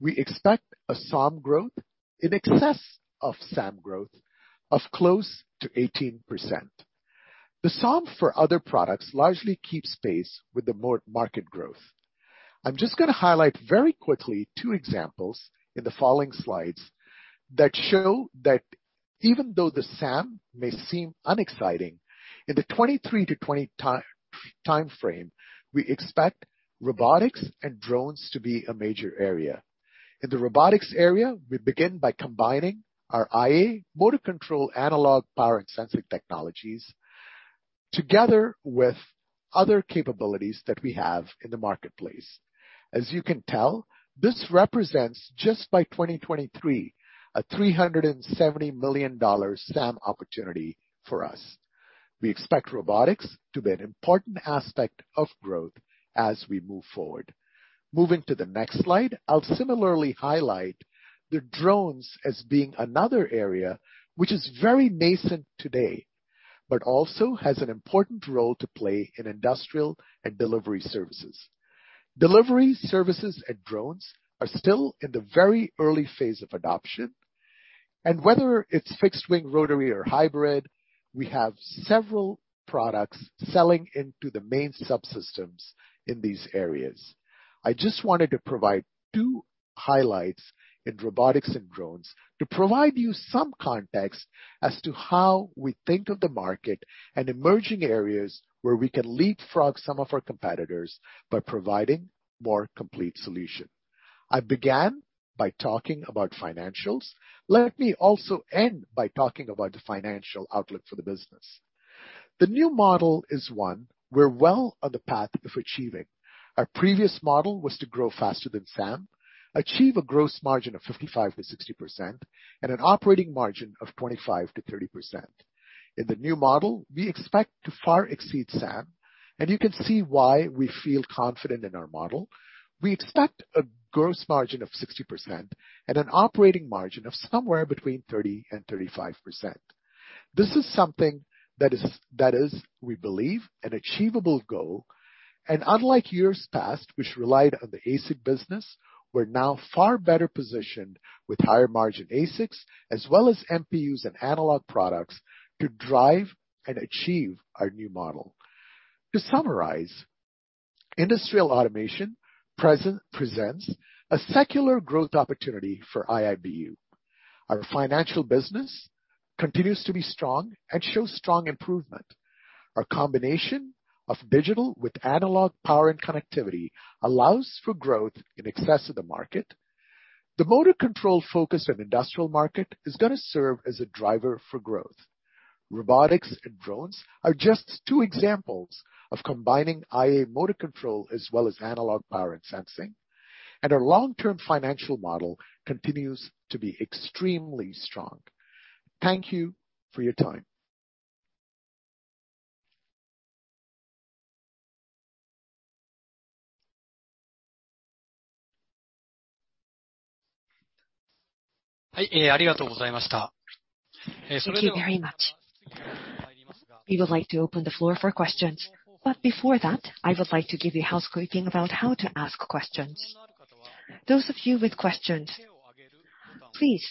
We expect a SOM growth in excess of SAM growth of close to 18%. The SOM for other products largely keeps pace with the more market growth. I'm just gonna highlight very quickly two examples in the following slides that show that even though the SAM may seem unexciting, in the 2023-2025 timeframe, we expect robotics and drones to be a major area. In the robotics area, we begin by combining our IA motor control analog power and sensing technologies together with other capabilities that we have in the marketplace. As you can tell, this represents just by 2023 a $370 million SAM opportunity for us. We expect robotics to be an important aspect of growth as we move forward. Moving to the next slide, I'll similarly highlight the drones as being another area which is very nascent today, but also has an important role to play in industrial and delivery services. Delivery services and drones are still in the very early phase of adoption, and whether it's fixed-wing, rotary, or hybrid, we have several products selling into the main subsystems in these areas. I just wanted to provide two highlights in robotics and drones to provide you some context as to how we think of the market and emerging areas where we can leapfrog some of our competitors by providing more complete solution. I began by talking about financials. Let me also end by talking about the financial outlook for the business. The new model is one we're well on the path of achieving. Our previous model was to grow faster than SAM, achieve a gross margin of 55%-60%, and an operating margin of 25%-30%. In the new model, we expect to far exceed SAM, and you can see why we feel confident in our model. We expect a gross margin of 60% and an operating margin of somewhere between 30%-35%. This is something that is, we believe, an achievable goal. Unlike years past, which relied on the ASIC business, we're now far better positioned with higher margin ASICs as well as MPUs and analog products to drive and achieve our new model. To summarize, industrial automation presents a secular growth opportunity for IIBU. Our financial business continues to be strong and shows strong improvement. Our combination of digital with analog power and connectivity allows for growth in excess of the market. The motor control focus on industrial market is gonna serve as a driver for growth. Robotics and drones are just two examples of combining IA motor control as well as analog power and sensing. Our long-term financial model continues to be extremely strong. Thank you for your time. Thank you very much. We would like to open the floor for questions. Before that, I would like to give you housekeeping about how to ask questions. Those of you with questions, please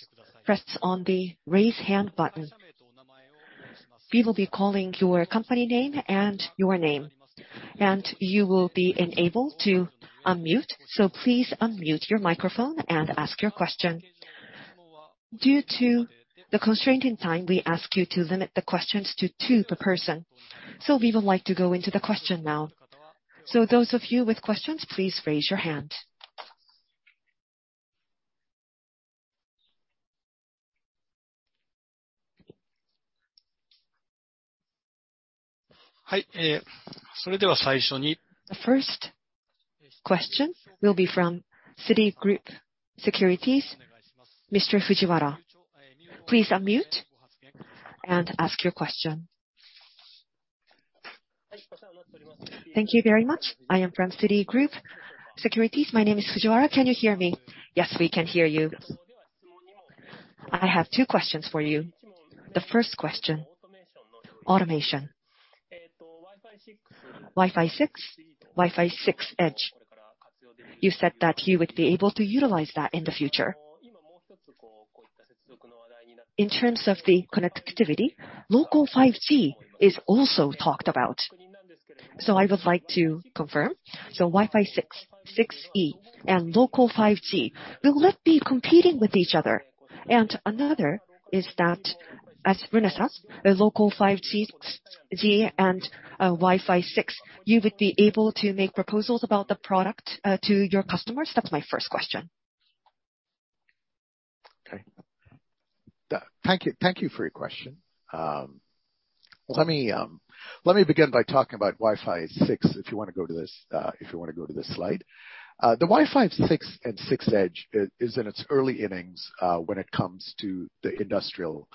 press on the Raise Hand button. We will be calling your company name and your name, and you will be enabled to unmute. Please unmute your microphone and ask your question. Due to the constraint in time, we ask you to limit the questions to two per person. We would like to go into the question now. Those of you with questions, please raise your hand. The first question will be from Citigroup Securities, Mr. Fujiwara. Please unmute and ask your question. Thank you very much. I am from Citigroup Securities. My name is Fujiwara. Can you hear me? Yes, we can hear you. I have two questions for you. The first question, automation. Wi-Fi 6, Wi-Fi 6 Edge. You said that you would be able to utilize that in the future. In terms of the connectivity, local 5G is also talked about. I would like to confirm. Wi-Fi 6, 6E, and local 5G. Will it be competing with each other? Another is that as Renesas, the local 5G and Wi-Fi 6, you would be able to make proposals about the product to your customers? That's my first question. Okay. Thank you for your question. Let me begin by talking about Wi-Fi 6, if you want to go to this slide. The Wi-Fi 6 and 6E is in its early innings when it comes to the industrial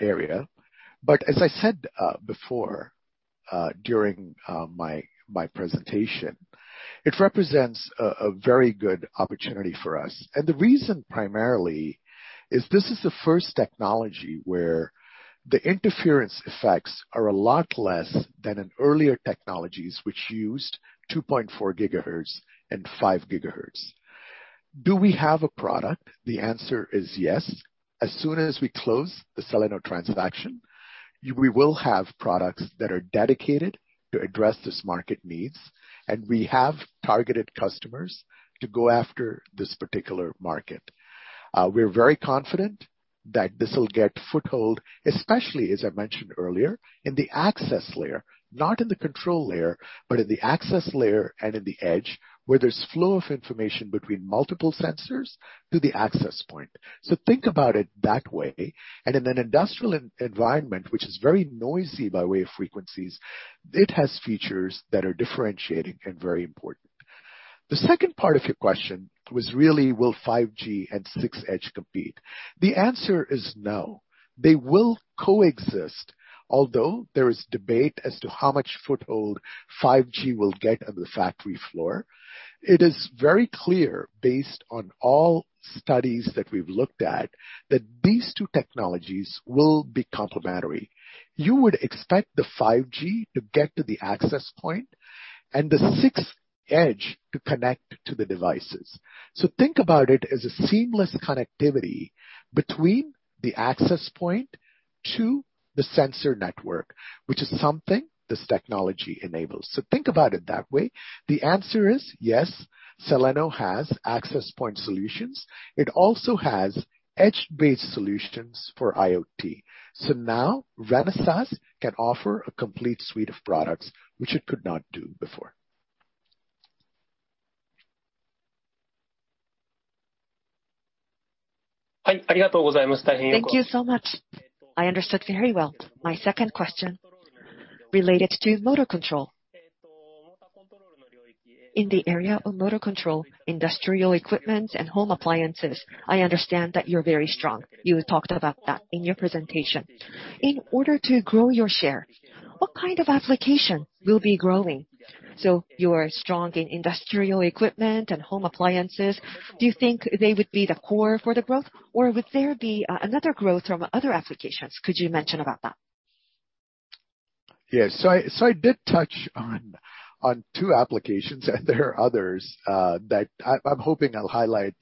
area. As I said before, during my presentation, it represents a very good opportunity for us. The reason primarily is this is the first technology where the interference effects are a lot less than in earlier technologies, which used 2.4 GHz and 5 GHz. Do we have a product? The answer is yes. As soon as we close the Celeno transaction, we will have products that are dedicated to address this market needs, and we have targeted customers to go after this particular market. We're very confident that this will get foothold, especially as I mentioned earlier, in the access layer, not in the control layer, but in the access layer and in the edge where there's flow of information between multiple sensors to the access point. So think about it that way. In an industrial environment which is very noisy by way of frequencies, it has features that are differentiating and very important. The second part of your question was really will 5G and 6G Edge compete? The answer is no. They will coexist. Although there is debate as to how much foothold 5G will get on the factory floor, it is very clear based on all studies that we've looked at, that these two technologies will be complementary. You would expect the 5G to get to the access point and the sixth edge to connect to the devices. Think about it as a seamless connectivity between the access point to the sensor network, which is something this technology enables. Think about it that way. The answer is yes. Celeno has access point solutions. It also has edge-based solutions for IoT. Now Renesas can offer a complete suite of products, which it could not do before. Thank you so much. I understood very well. My second question related to motor control. In the area of motor control, industrial equipment and home appliances, I understand that you're very strong. You talked about that in your presentation. In order to grow your share, what kind of application will be growing? You are strong in industrial equipment and home appliances. Do you think they would be the core for the growth, or would there be another growth from other applications? Could you mention about that? Yes. I did touch on two applications, and there are others that I'm hoping I'll highlight,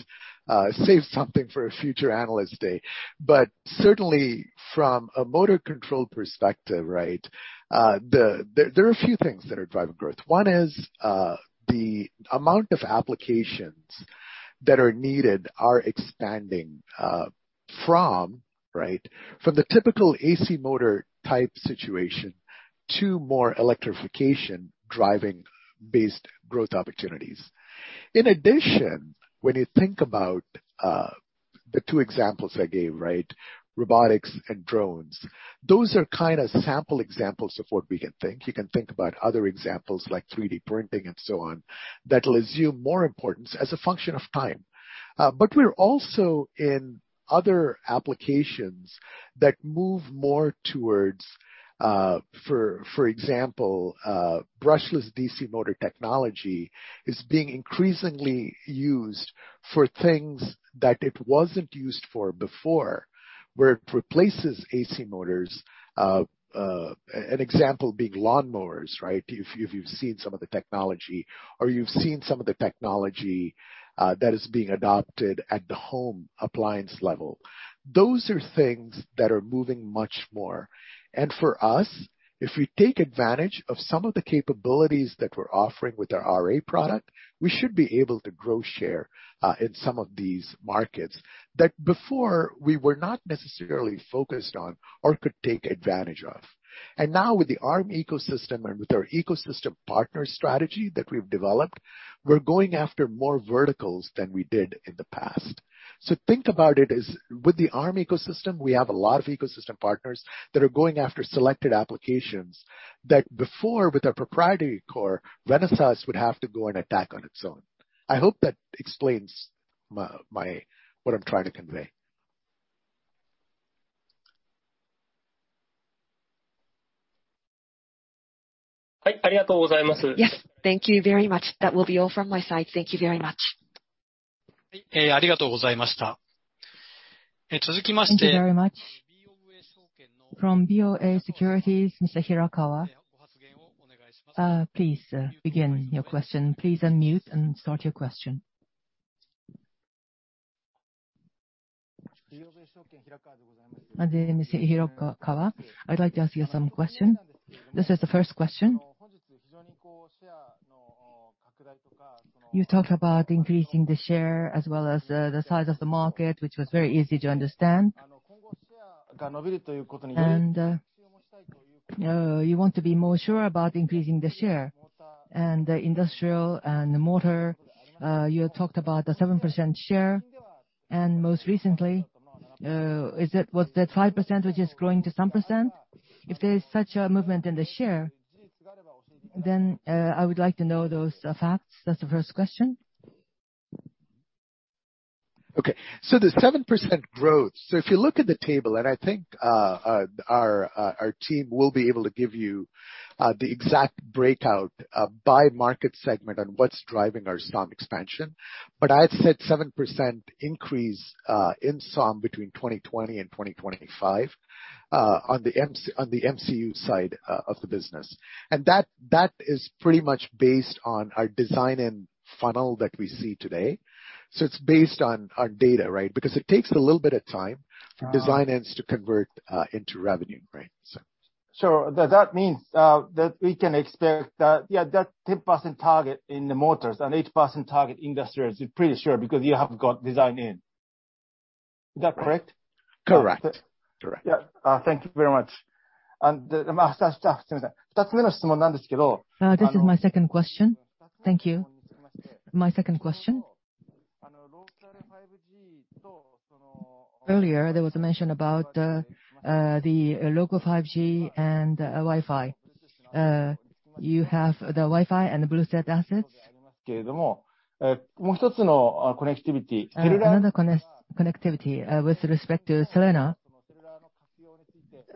save something for a future analyst day. Certainly from a motor control perspective, there are a few things that are driving growth. One is the amount of applications that are needed are expanding from the typical AC motor type situation to more electrification driving based growth opportunities. In addition, when you think about the two examples I gave, robotics and drones, those are kinda sample examples of what we can think. You can think about other examples like 3D printing and so on, that will assume more importance as a function of time. We're also in other applications that move more towards, for example, brushless DC motor technology is being increasingly used for things that it wasn't used for before, where it replaces AC motors. An example being lawnmowers, right? If you've seen some of the technology that is being adopted at the home appliance level. Those are things that are moving much more. For us, if we take advantage of some of the capabilities that we're offering with our RA product, we should be able to grow share in some of these markets that before we were not necessarily focused on or could take advantage of. Now with the Arm ecosystem and with our ecosystem partner strategy that we've developed, we're going after more verticals than we did in the past. Think about it as with the Arm ecosystem, we have a lot of ecosystem partners that are going after selected applications that before with our proprietary core, Renesas would have to go and attack on its own. I hope that explains what I'm trying to convey. Yes. Thank you very much. That will be all from my side. Thank you very much. I'm Mr. Hirakawa. I'd like to ask you some question. This is the first question. You talked about increasing the share as well as the size of the market, which was very easy to understand. You want to be more sure about increasing the share and the industrial and the motor. You talked about the 7% share and most recently, was that 5% which is growing to some percent? If there is such a movement in the share, then I would like to know those facts. That's the first question. Okay, the 7% growth. If you look at the table, and I think our team will be able to give you the exact breakout by market segment on what's driving our SoM expansion. But I've said 7% increase in SoM between 2020 and 2025 on the MCU side of the business. And that is pretty much based on our design-in funnel that we see today. It's based on our data, right? Because it takes a little bit of time for design wins to convert into revenue, right? Sure. That means that we can expect that, yeah, that 10% target in the motors and 8% target industrials, you're pretty sure because you have got design-in. Is that correct? Correct. Correct. Yeah. Thank you very much. This is my second question. Thank you. My second question. Earlier, there was a mention about the local 5G and Wi-Fi. You have the Wi-Fi and the Bluetooth assets. Another connectivity with respect to Celeno,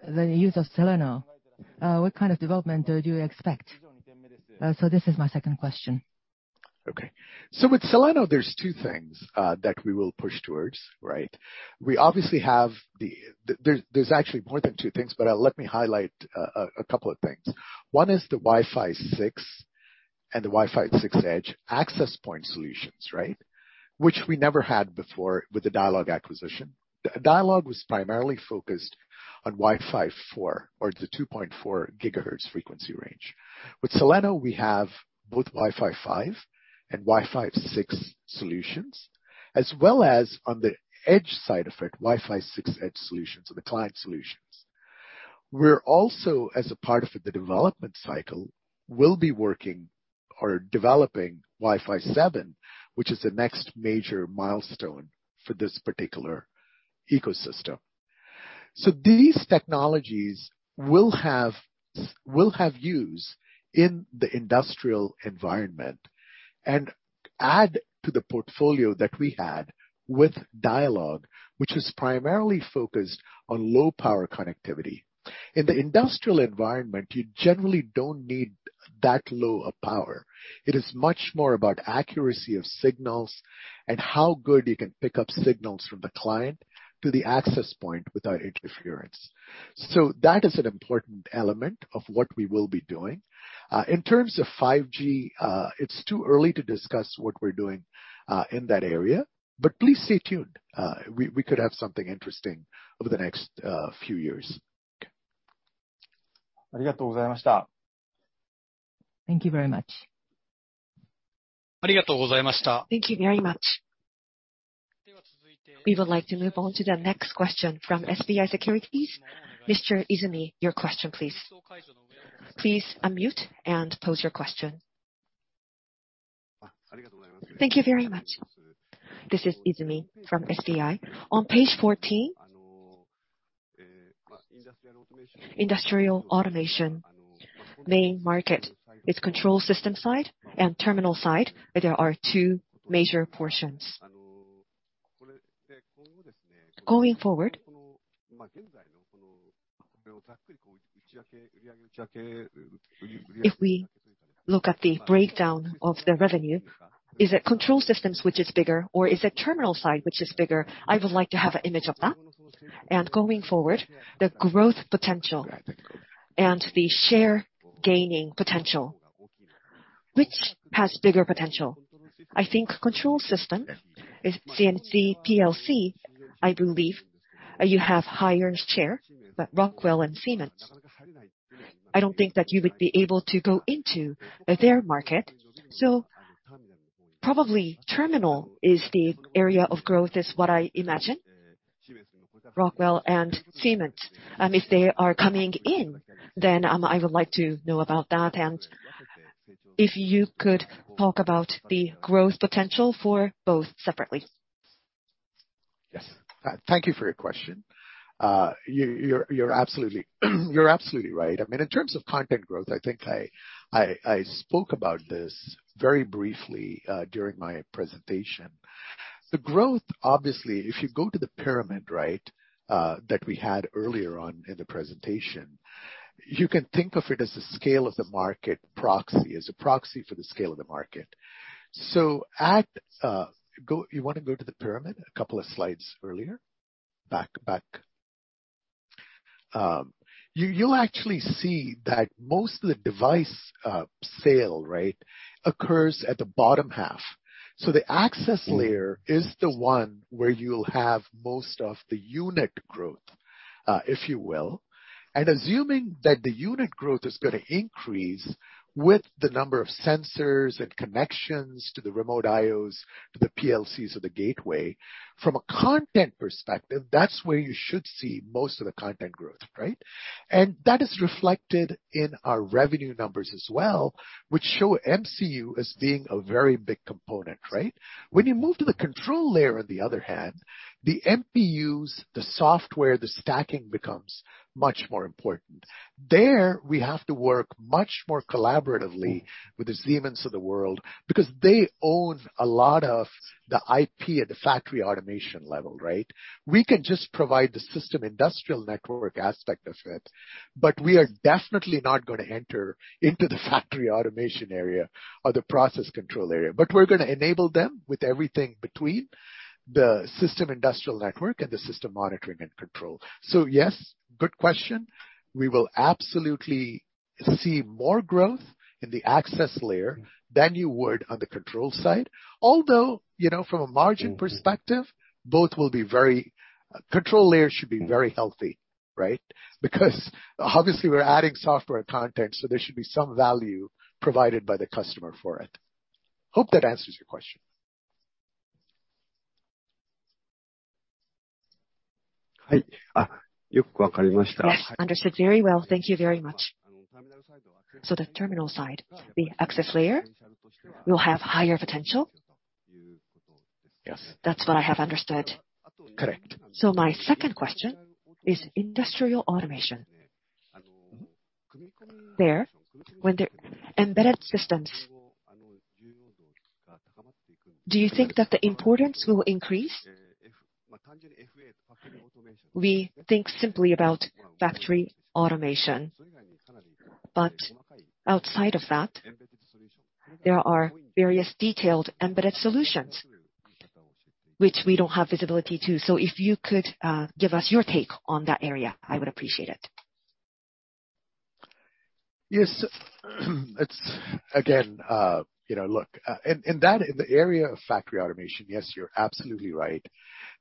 the use of Celeno, what kind of development do you expect? This is my second question. Okay. With Celeno, there's two things that we will push towards, right? We obviously have. There's actually more than two things, but let me highlight a couple of things. One is the Wi-Fi 6 and the Wi-Fi 6 Edge access point solutions, right? Which we never had before with the Dialog acquisition. Dialog was primarily focused on Wi-Fi 4 or the 2.4 GHz frequency range. With Celeno, we have both Wi-Fi 5 and Wi-Fi 6 solutions, as well as on the edge side of it, Wi-Fi 6 Edge solutions or the client solutions. We're also, as a part of the development cycle, will be working or developing Wi-Fi 7, which is the next major milestone for this particular ecosystem. These technologies will have use in the industrial environment and add to the portfolio that we had with Dialog, which is primarily focused on low power connectivity. In the industrial environment, you generally don't need that low of power. It is much more about accuracy of signals and how good you can pick up signals from the client to the access point without interference. That is an important element of what we will be doing. In terms of 5G, it's too early to discuss what we're doing in that area. Please stay tuned. We could have something interesting over the next few years. Thank you very much. Thank you very much. We would like to move on to the next question from SBI Securities. Mr. Izumi, your question please. Please unmute and pose your question. Thank you very much. This is Izumi from SBI. On page 14, industrial automation, main market is control system side and terminal side. There are two major portions. Going forward, if we look at the breakdown of the revenue, is it control systems which is bigger or is it terminal side which is bigger? I would like to have an image of that. And going forward, the growth potential and the share gaining potential, which has bigger potential? I think control system is CNC PLC. I believe you have higher share, but Rockwell and Siemens. I don't think that you would be able to go into their market. Probably terminal is the area of growth, is what I imagine. Rockwell and Siemens. If they are coming in, then I would like to know about that. If you could talk about the growth potential for both separately. Yes. Thank you for your question. You're absolutely right. I mean, in terms of content growth, I think I spoke about this very briefly during my presentation. The growth, obviously, if you go to the pyramid, right, that we had earlier on in the presentation, you can think of it as a scale of the market proxy, as a proxy for the scale of the market. You wanna go to the pyramid a couple of slides earlier? Back. Back. You'll actually see that most of the device sale right occurs at the bottom half. The access layer is the one where you'll have most of the unit growth, if you will. Assuming that the unit growth is gonna increase with the number of sensors and connections to the remote IOs, to the PLCs or the gateway, from a content perspective, that's where you should see most of the content growth, right? That is reflected in our revenue numbers as well, which show MCU as being a very big component, right? When you move to the control layer, on the other hand, the MPUs, the software, the stacking becomes much more important. There, we have to work much more collaboratively with the Siemens of the world because they own a lot of the IP at the factory automation level, right? We can just provide the system industrial network aspect of it, but we are definitely not gonna enter into the factory automation area or the process control area. We're gonna enable them with everything between the system industrial network and the system monitoring and control. Yes, good question. We will absolutely see more growth in the access layer than you would on the control side. Although, you know, from a margin perspective, both will be very. Control layer should be very healthy, right? Because obviously we're adding software content, so there should be some value provided by the customer for it. Hope that answers your question. Yes. Understood very well. Thank you very much. The terminal side, the access layer, will have higher potential? Yes. That's what I have understood. Correct. My second question is industrial automation. Embedded systems, do you think that the importance will increase? We think simply about factory automation. Outside of that, there are various detailed embedded solutions which we don't have visibility to. If you could, give us your take on that area, I would appreciate it. Yes. It's again, you know, look, in that area of factory automation, yes, you're absolutely right.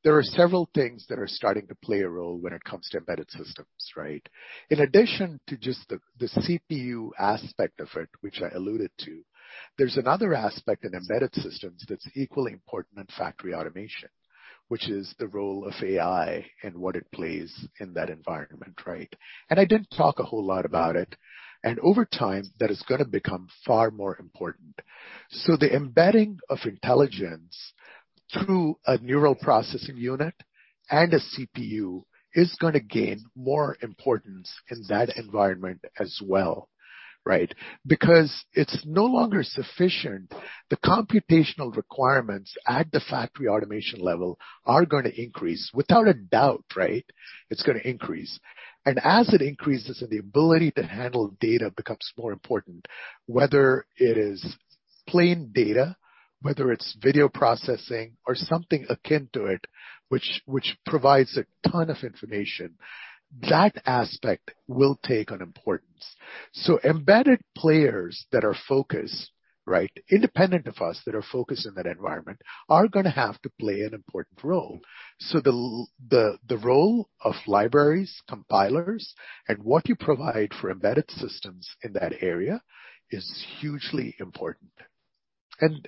There are several things that are starting to play a role when it comes to embedded systems, right? In addition to just the CPU aspect of it, which I alluded to, there's another aspect in embedded systems that's equally important in factory automation, which is the role of AI and what it plays in that environment, right? I didn't talk a whole lot about it. Over time, that is gonna become far more important. The embedding of intelligence through a neural processing unit and a CPU is gonna gain more importance in that environment as well, right? Because it's no longer sufficient. The computational requirements at the factory automation level are gonna increase. Without a doubt, right? It's gonna increase. As it increases, and the ability to handle data becomes more important. Whether it is plain data, whether it's video processing or something akin to it, which provides a ton of information, that aspect will take on importance. Embedded players that are focused, right, independent of us, that are focused in that environment, are gonna have to play an important role. The role of libraries, compilers, and what you provide for embedded systems in that area is hugely important.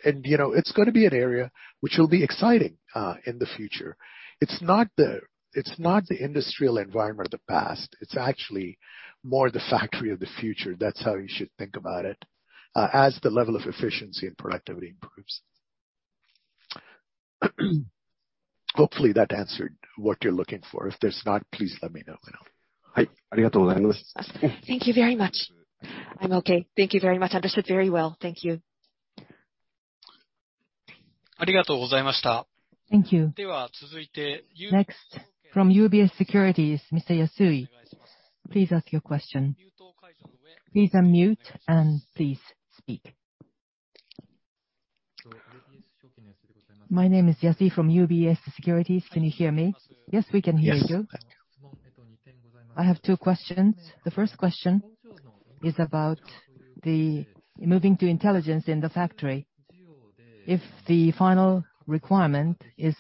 You know, it's gonna be an area which will be exciting in the future. It's not the industrial environment of the past. It's actually more the factory of the future. That's how you should think about it, as the level of efficiency and productivity improves. Hopefully that answered what you're looking for. If there's not, please let me know. Thank you very much. I'm okay. Thank you very much. Understood very well. Thank you. Thank you. Next, from UBS Securities, Mr. Yasui, please ask your question. Please unmute and please speak. My name is Yasui from UBS Securities. Can you hear me? Yes, we can hear you. Yes. I have two questions. The first question is about the moving to intelligence in the factory. If the final requirement is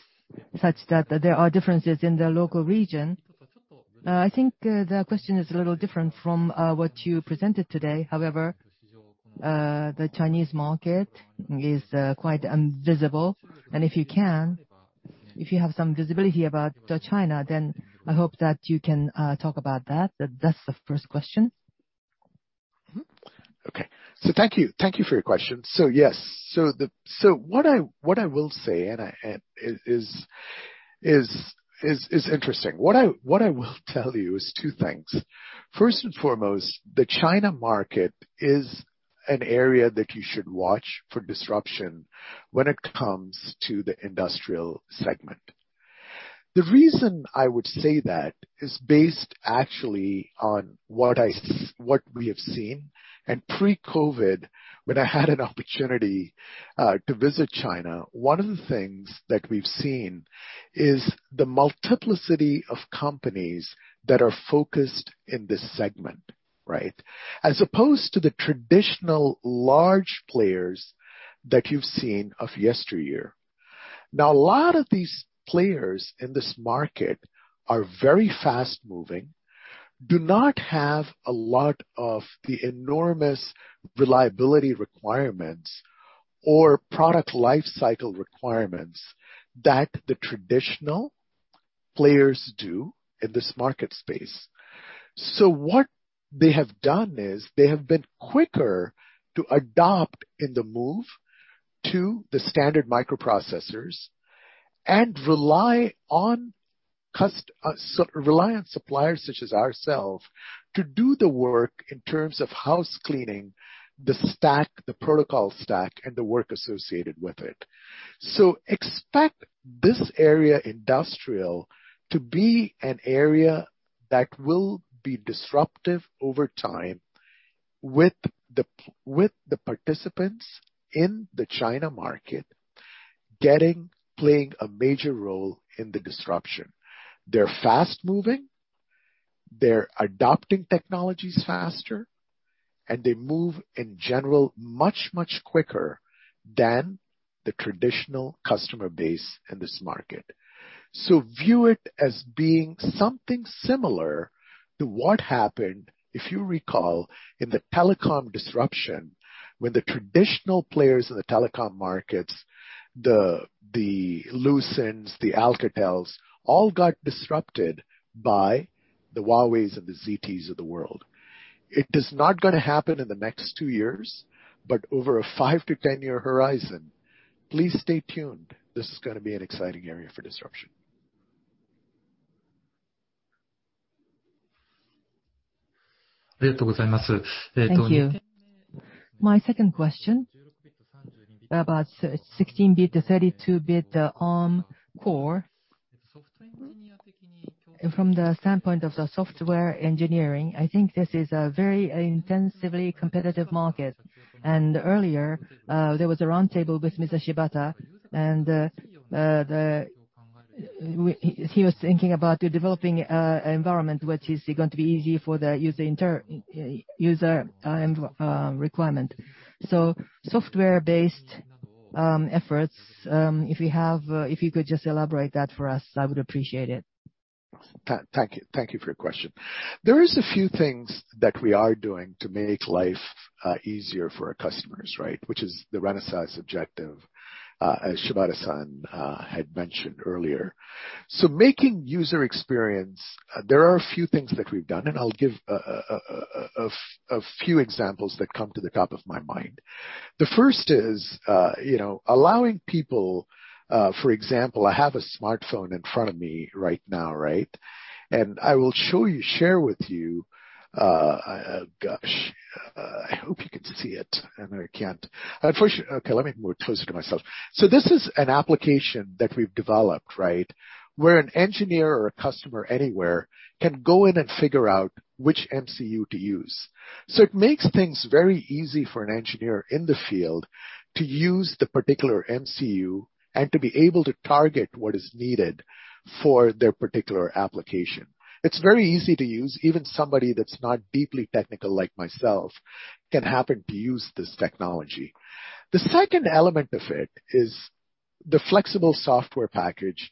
such that there are differences in the local region. I think the question is a little different from what you presented today. However, the Chinese market is quite invisible. If you can, if you have some visibility about China, then I hope that you can talk about that. That's the first question. Thank you for your question. What I will tell you is two things. First and foremost, the China market is an area that you should watch for disruption when it comes to the industrial segment. The reason I would say that is based actually on what we have seen. Pre-COVID, when I had an opportunity to visit China, one of the things that we've seen is the multiplicity of companies that are focused in this segment, right? As opposed to the traditional large players that you've seen of yesteryear. Now, a lot of these players in this market are very fast-moving, do not have a lot of the enormous reliability requirements or product lifecycle requirements that the traditional players do in this market space. What they have done is, they have been quicker to adopt in the move to the standard microprocessors and rely on suppliers such as ourselves to do the work in terms of housecleaning the stack, the protocol stack, and the work associated with it. Expect this area, industrial, to be an area that will be disruptive over time with the participants in the China market playing a major role in the disruption. They're fast-moving, they're adopting technologies faster, and they move, in general, much, much quicker than the traditional customer base in this market. View it as being something similar to what happened, if you recall, in the telecom disruption when the traditional players in the telecom markets, the Lucents, the Alcatels, all got disrupted by the Huaweis and the ZTEs of the world. It is not gonna happen in the next two years, but over a 5-10-year horizon, please stay tuned. This is gonna be an exciting area for disruption. Thank you. My second question about 16-bit, 32-bit core. From the standpoint of the software engineering, I think this is a very intensely competitive market. Earlier, there was a roundtable with Mr. Shibata and he was thinking about developing environment which is going to be easy for the user interface, user requirement. Software-based efforts, if you could just elaborate that for us, I would appreciate it. Thank you. Thank you for your question. There is a few things that we are doing to make life easier for our customers, right? Which is the Renesas objective, as Shibata had mentioned earlier. Making user experience, there are a few things that we've done, and I'll give a few examples that come to the top of my mind. The first is, you know, allowing people, for example, I have a smartphone in front of me right now, right? I will show you, share with you, gosh, I hope you can see it, I know I can't. Unfortunately. Okay, let me move closer to myself. So this is an application that we've developed, right? Where an engineer or a customer anywhere can go in and figure out which MCU to use. It makes things very easy for an engineer in the field to use the particular MCU and to be able to target what is needed for their particular application. It's very easy to use. Even somebody that's not deeply technical like myself can happen to use this technology. The second element of it is the flexible software package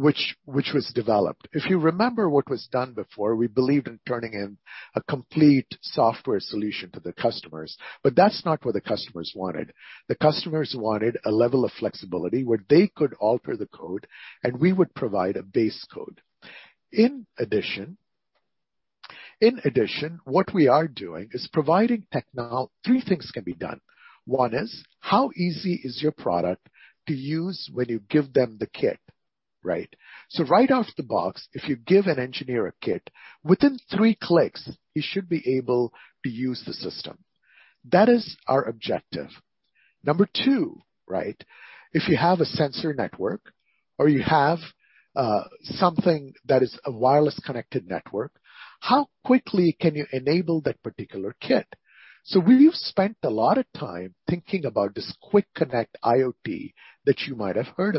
which was developed. If you remember what was done before, we believed in turning in a complete software solution to the customers, but that's not what the customers wanted. The customers wanted a level of flexibility where they could alter the code, and we would provide a base code. In addition, three things can be done. One is, how easy is your product to use when you give them the kit, right? Right off the box, if you give an engineer a kit, within three clicks, he should be able to use the system. That is our objective. Number 2, right? If you have a sensor network or you have something that is a wireless connected network, how quickly can you enable that particular kit? We've spent a lot of time thinking about this Quick-Connect IoT that you might have heard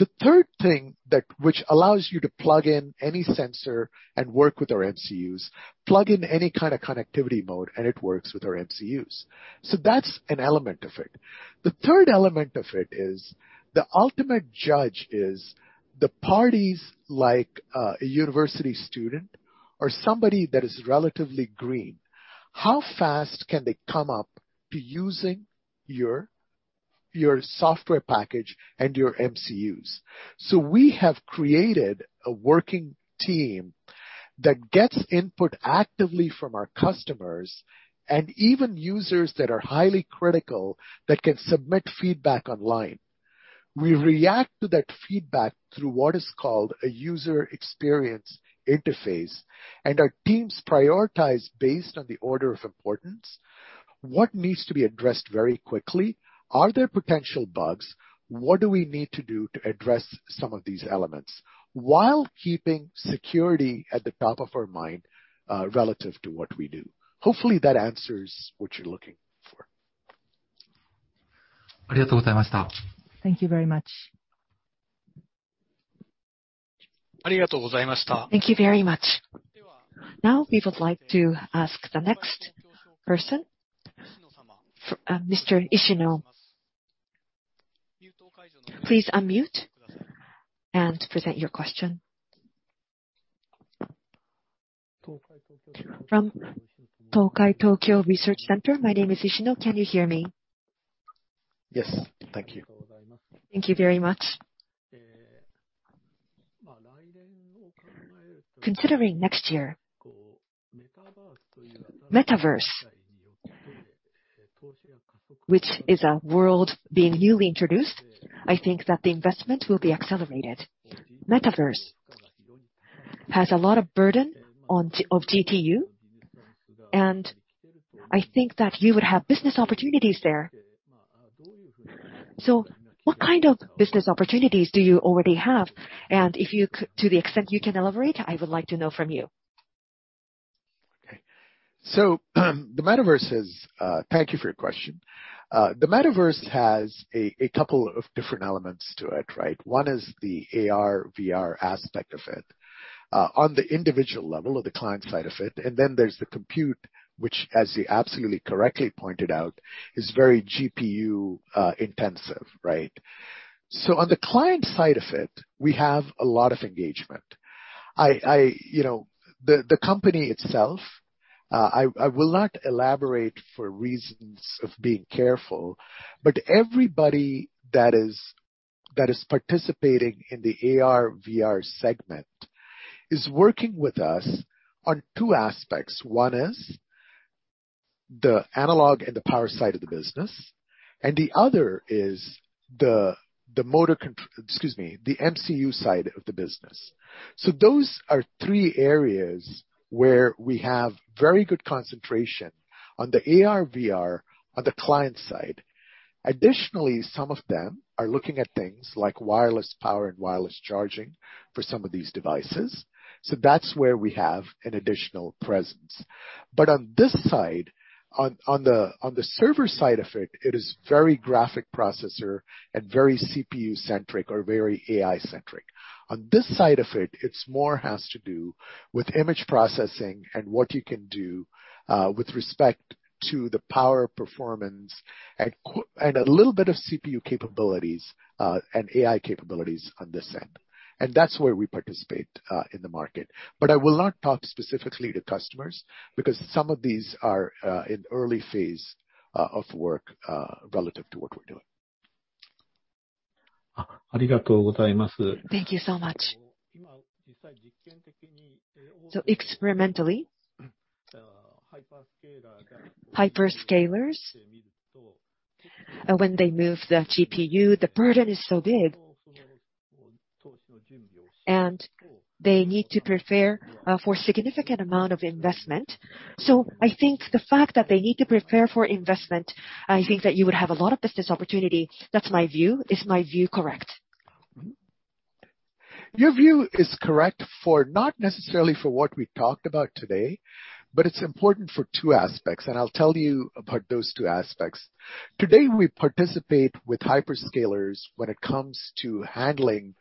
about. The third thing, which allows you to plug in any sensor and work with our MCUs, plug in any kind of connectivity mode, and it works with our MCUs. That's an element of it. The third element of it is the ultimate judge is the parties like a university student or somebody that is relatively green. How fast can they come up to using your software package and your MCUs? We have created a working team that gets input actively from our customers and even users that are highly critical that can submit feedback online. We react to that feedback through what is called a user experience interface, and our teams prioritize based on the order of importance. What needs to be addressed very quickly? Are there potential bugs? What do we need to do to address some of these elements while keeping security at the top of our mind, relative to what we do? Hopefully, that answers what you're looking for. Thank you very much. Thank you very much. Now, we would like to ask the next person, Mr. Ishino. Please unmute and present your question. From Tokai Tokyo Research Center. My name is Ishino. Can you hear me? Yes. Thank you. Thank you very much. Considering next year, metaverse, which is a world being newly introduced, I think that the investment will be accelerated. Metaverse has a lot of burden on the GPU, and I think that you would have business opportunities there. What kind of business opportunities do you already have? If you can, to the extent you can elaborate, I would like to know from you. Thank you for your question. The metaverse has a couple of different elements to it, right? One is the AR/VR aspect of it, on the individual level or the client side of it. There's the compute, which as you absolutely correctly pointed out, is very GPU intensive, right? On the client side of it, we have a lot of engagement. I, you know, the company itself, I will not elaborate for reasons of being careful, but everybody that is participating in the AR/VR segment is working with us on two aspects. One is the analog and the power side of the business, and the other is the MCU side of the business. Those are three areas where we have very good concentration on the AR/VR on the client side. Additionally, some of them are looking at things like wireless power and wireless charging for some of these devices. That's where we have an additional presence. On this side, on the server side of it is very graphics processor and very CPU centric or very AI centric. On this side of it's more has to do with image processing and what you can do with respect to the power performance and a little bit of CPU capabilities and AI capabilities on this end. That's where we participate in the market. I will not talk specifically to customers because some of these are in early phase of work relative to what we're doing. Thank you so much. Experimentally, hyperscalers, when they move the GPU, the burden is so big, and they need to prepare for significant amount of investment. I think the fact that they need to prepare for investment. I think that you would have a lot of business opportunity. That's my view. Is my view correct? Your view is correct for, not necessarily for what we talked about today, but it's important for two aspects, and I'll tell you about those two aspects. Today, we participate with hyperscalers when it comes to handling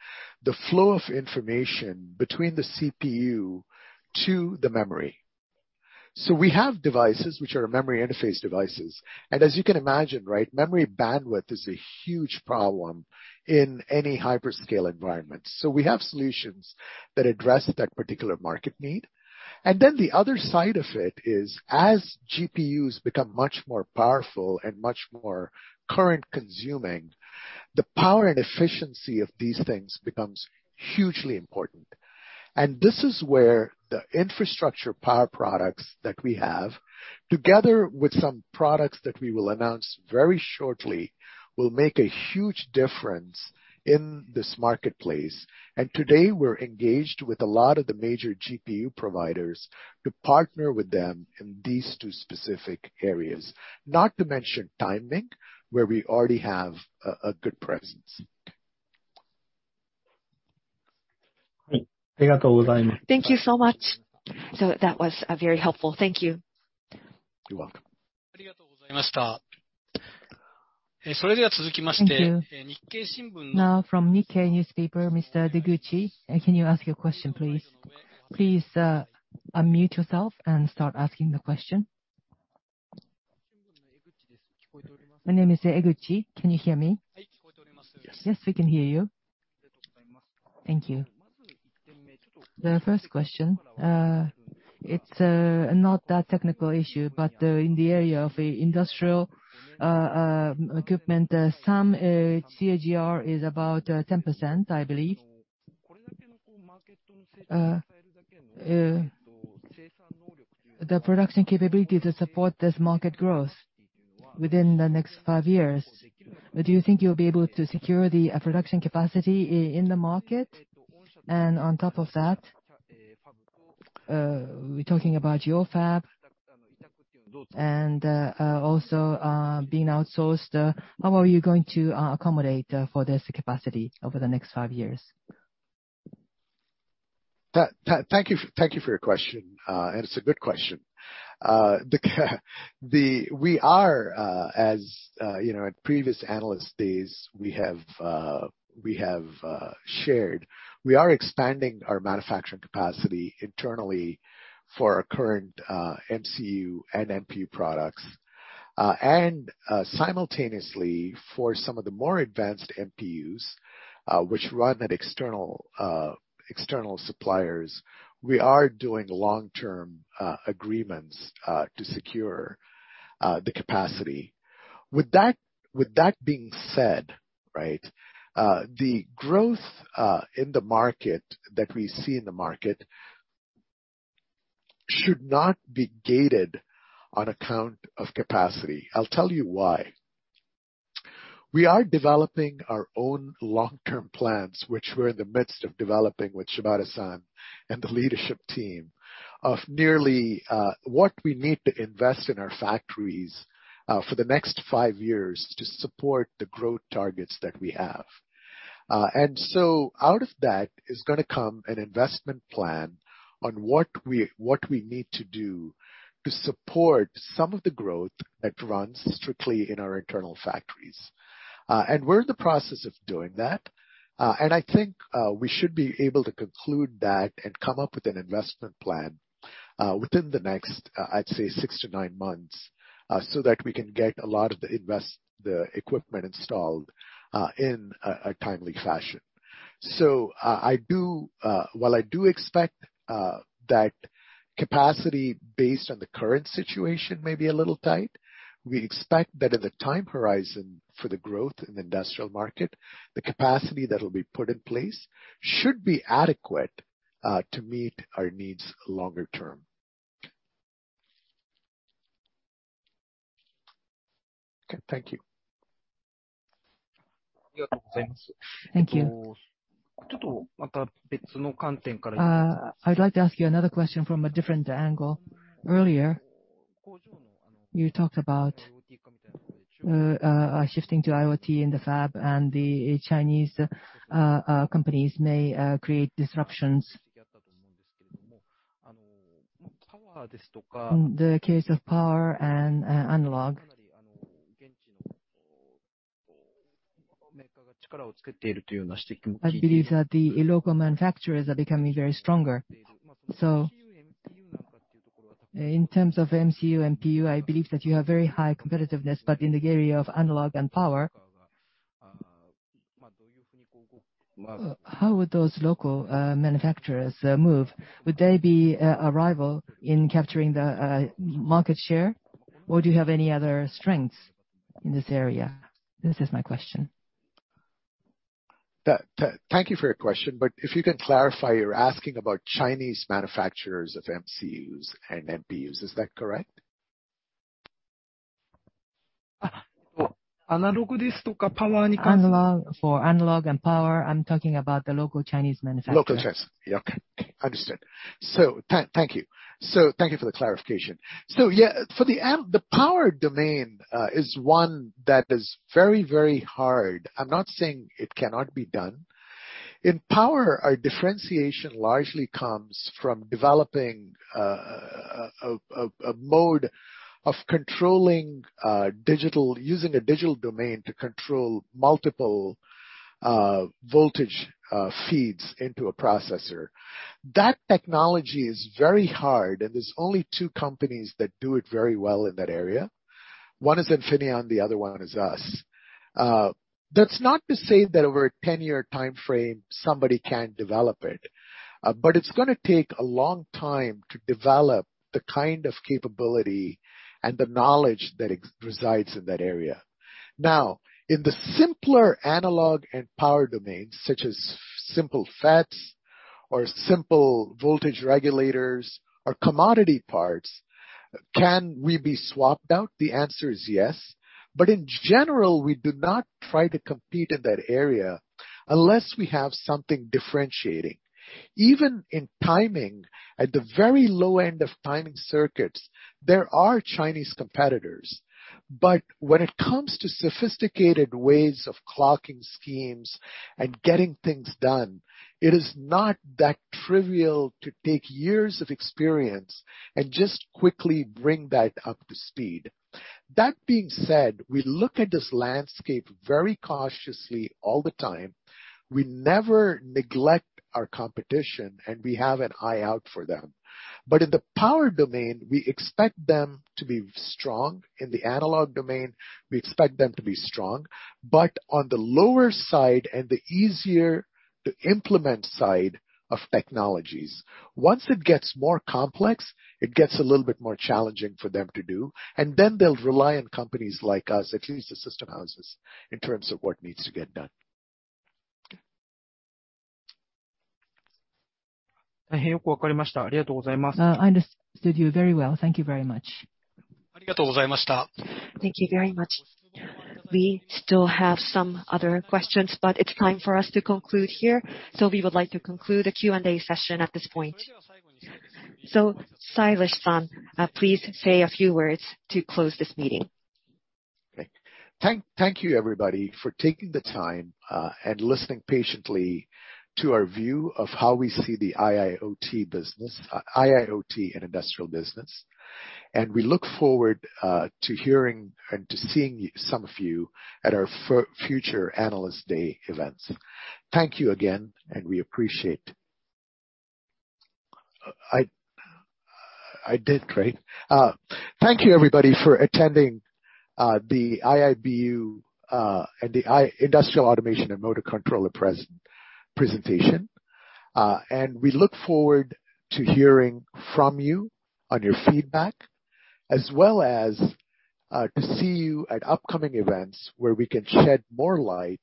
the flow of information between the CPU to the memory. We have devices which are memory interface devices. As you can imagine, right, memory bandwidth is a huge problem in any hyperscale environment. We have solutions that address that particular market need. Then the other side of it is, as GPUs become much more powerful and much more current consuming, the power and efficiency of these things becomes hugely important. This is where the infrastructure power products that we have, together with some products that we will announce very shortly, will make a huge difference in this marketplace. Today, we're engaged with a lot of the major GPU providers to partner with them in these two specific areas. Not to mention timing, where we already have a good presence. Thank you so much. That was very helpful. Thank you. You're welcome. Thank you. Now fom Nikkei newspaper, Mr. Eguchi, can you ask your question, please? Please, unmute yourself and start asking the question. My name is Eguchi. Can you hear me? Yes, we can hear you. Thank you. The first question, it's not a technical issue, but in the area of industrial equipment, some CAGR is about 10%, I believe. The production capability to support this market growth within the next five years. Do you think you'll be able to secure the production capacity in the market? On top of that, we're talking about your fab and also being outsourced. How are you going to accommodate for this capacity over the next five years? Thank you for your question. It's a good question. We are, as you know, at previous analyst days we have shared, we are expanding our manufacturing capacity internally for our current MCU and MPU products. Simultaneously for some of the more advanced MPUs, which run at external suppliers, we are doing long-term agreements to secure the capacity. With that being said, right, the growth in the market that we see in the market should not be gated on account of capacity. I'll tell you why. We are developing our own long-term plans, which we're in the midst of developing with Shibata-san and the leadership team, of nearly what we need to invest in our factories for the next five years to support the growth targets that we have. Out of that is gonna come an investment plan on what we need to do to support some of the growth that runs strictly in our internal factories. We're in the process of doing that. I think we should be able to conclude that and come up with an investment plan within the next, I'd say six to nine months, so that we can get a lot of the equipment installed in a timely fashion. I do... While I do expect that capacity based on the current situation may be a little tight, we expect that in the time horizon for the growth in the industrial market, the capacity that'll be put in place should be adequate to meet our needs longer term. Thank you. I'd like to ask you another question from a different angle. Earlier, you talked about shifting to IoT in the fab and the Chinese companies may create disruptions in the case of power and analog. I believe that the local manufacturers are becoming very stronger. In terms of MCU and MPU, I believe that you have very high competitiveness, but in the area of analog and power, how would those local manufacturers move? Would they be a rival in capturing the market share, or do you have any other strengths in this area? This is my question. Thank you for your question, but if you can clarify, you're asking about Chinese manufacturers of MCUs and MPUs. Is that correct? Analog. For analog and power, I'm talking about the local Chinese manufacturer. Thank you for the clarification. Yeah, for the power domain is one that is very, very hard. I'm not saying it cannot be done. In power, our differentiation largely comes from developing a mode of controlling digitally using a digital domain to control multiple voltage feeds into a processor. That technology is very hard, and there's only two companies that do it very well in that area. One is Infineon, the other one is us. That's not to say that over a 10-year timeframe, somebody can't develop it. But it's gonna take a long time to develop the kind of capability and the knowledge and expertise that resides in that area. Now, in the simpler analog and power domains, such as simple FETs or simple voltage regulators or commodity parts, can we be swapped out? The answer is yes. In general, we do not try to compete in that area unless we have something differentiating. Even in timing, at the very low end of timing circuits, there are Chinese competitors. When it comes to sophisticated ways of clocking schemes and getting things done, it is not that trivial to take years of experience and just quickly bring that up to speed. That being said, we look at this landscape very cautiously all the time. We never neglect our competition, and we have an eye out for them. In the power domain, we expect them to be strong. In the analog domain, we expect them to be strong. On the lower side and the easier to implement side of technologies. Once it gets more complex, it gets a little bit more challenging for them to do, and then they'll rely on companies like us, at least the system houses, in terms of what needs to get done. I understood you very well. Thank you very much. Thank you very much. We still have some other questions, but it's time for us to conclude here, so we would like to conclude the Q&A session at this point. Sailesh-san, please say a few words to close this meeting. Okay. Thank you, everybody, for taking the time and listening patiently to our view of how we see the IIoT business, IIoT and Industrial business. We look forward to hearing and to seeing some of you at our future Analyst Day events. Thank you again, and we appreciate. I did great. Thank you, everybody, for attending the IIBU and the Industrial Automation and Motor Controller presentation. We look forward to hearing from you on your feedback, as well as to see you at upcoming events where we can shed more light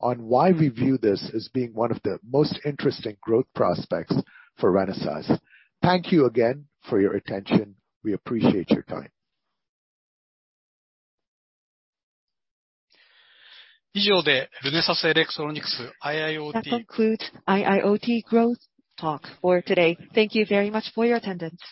on why we view this as being one of the most interesting growth prospects for Renesas. Thank you again for your attention. We appreciate your time. That concludes IIoT growth talk for today. Thank you very much for your attendance.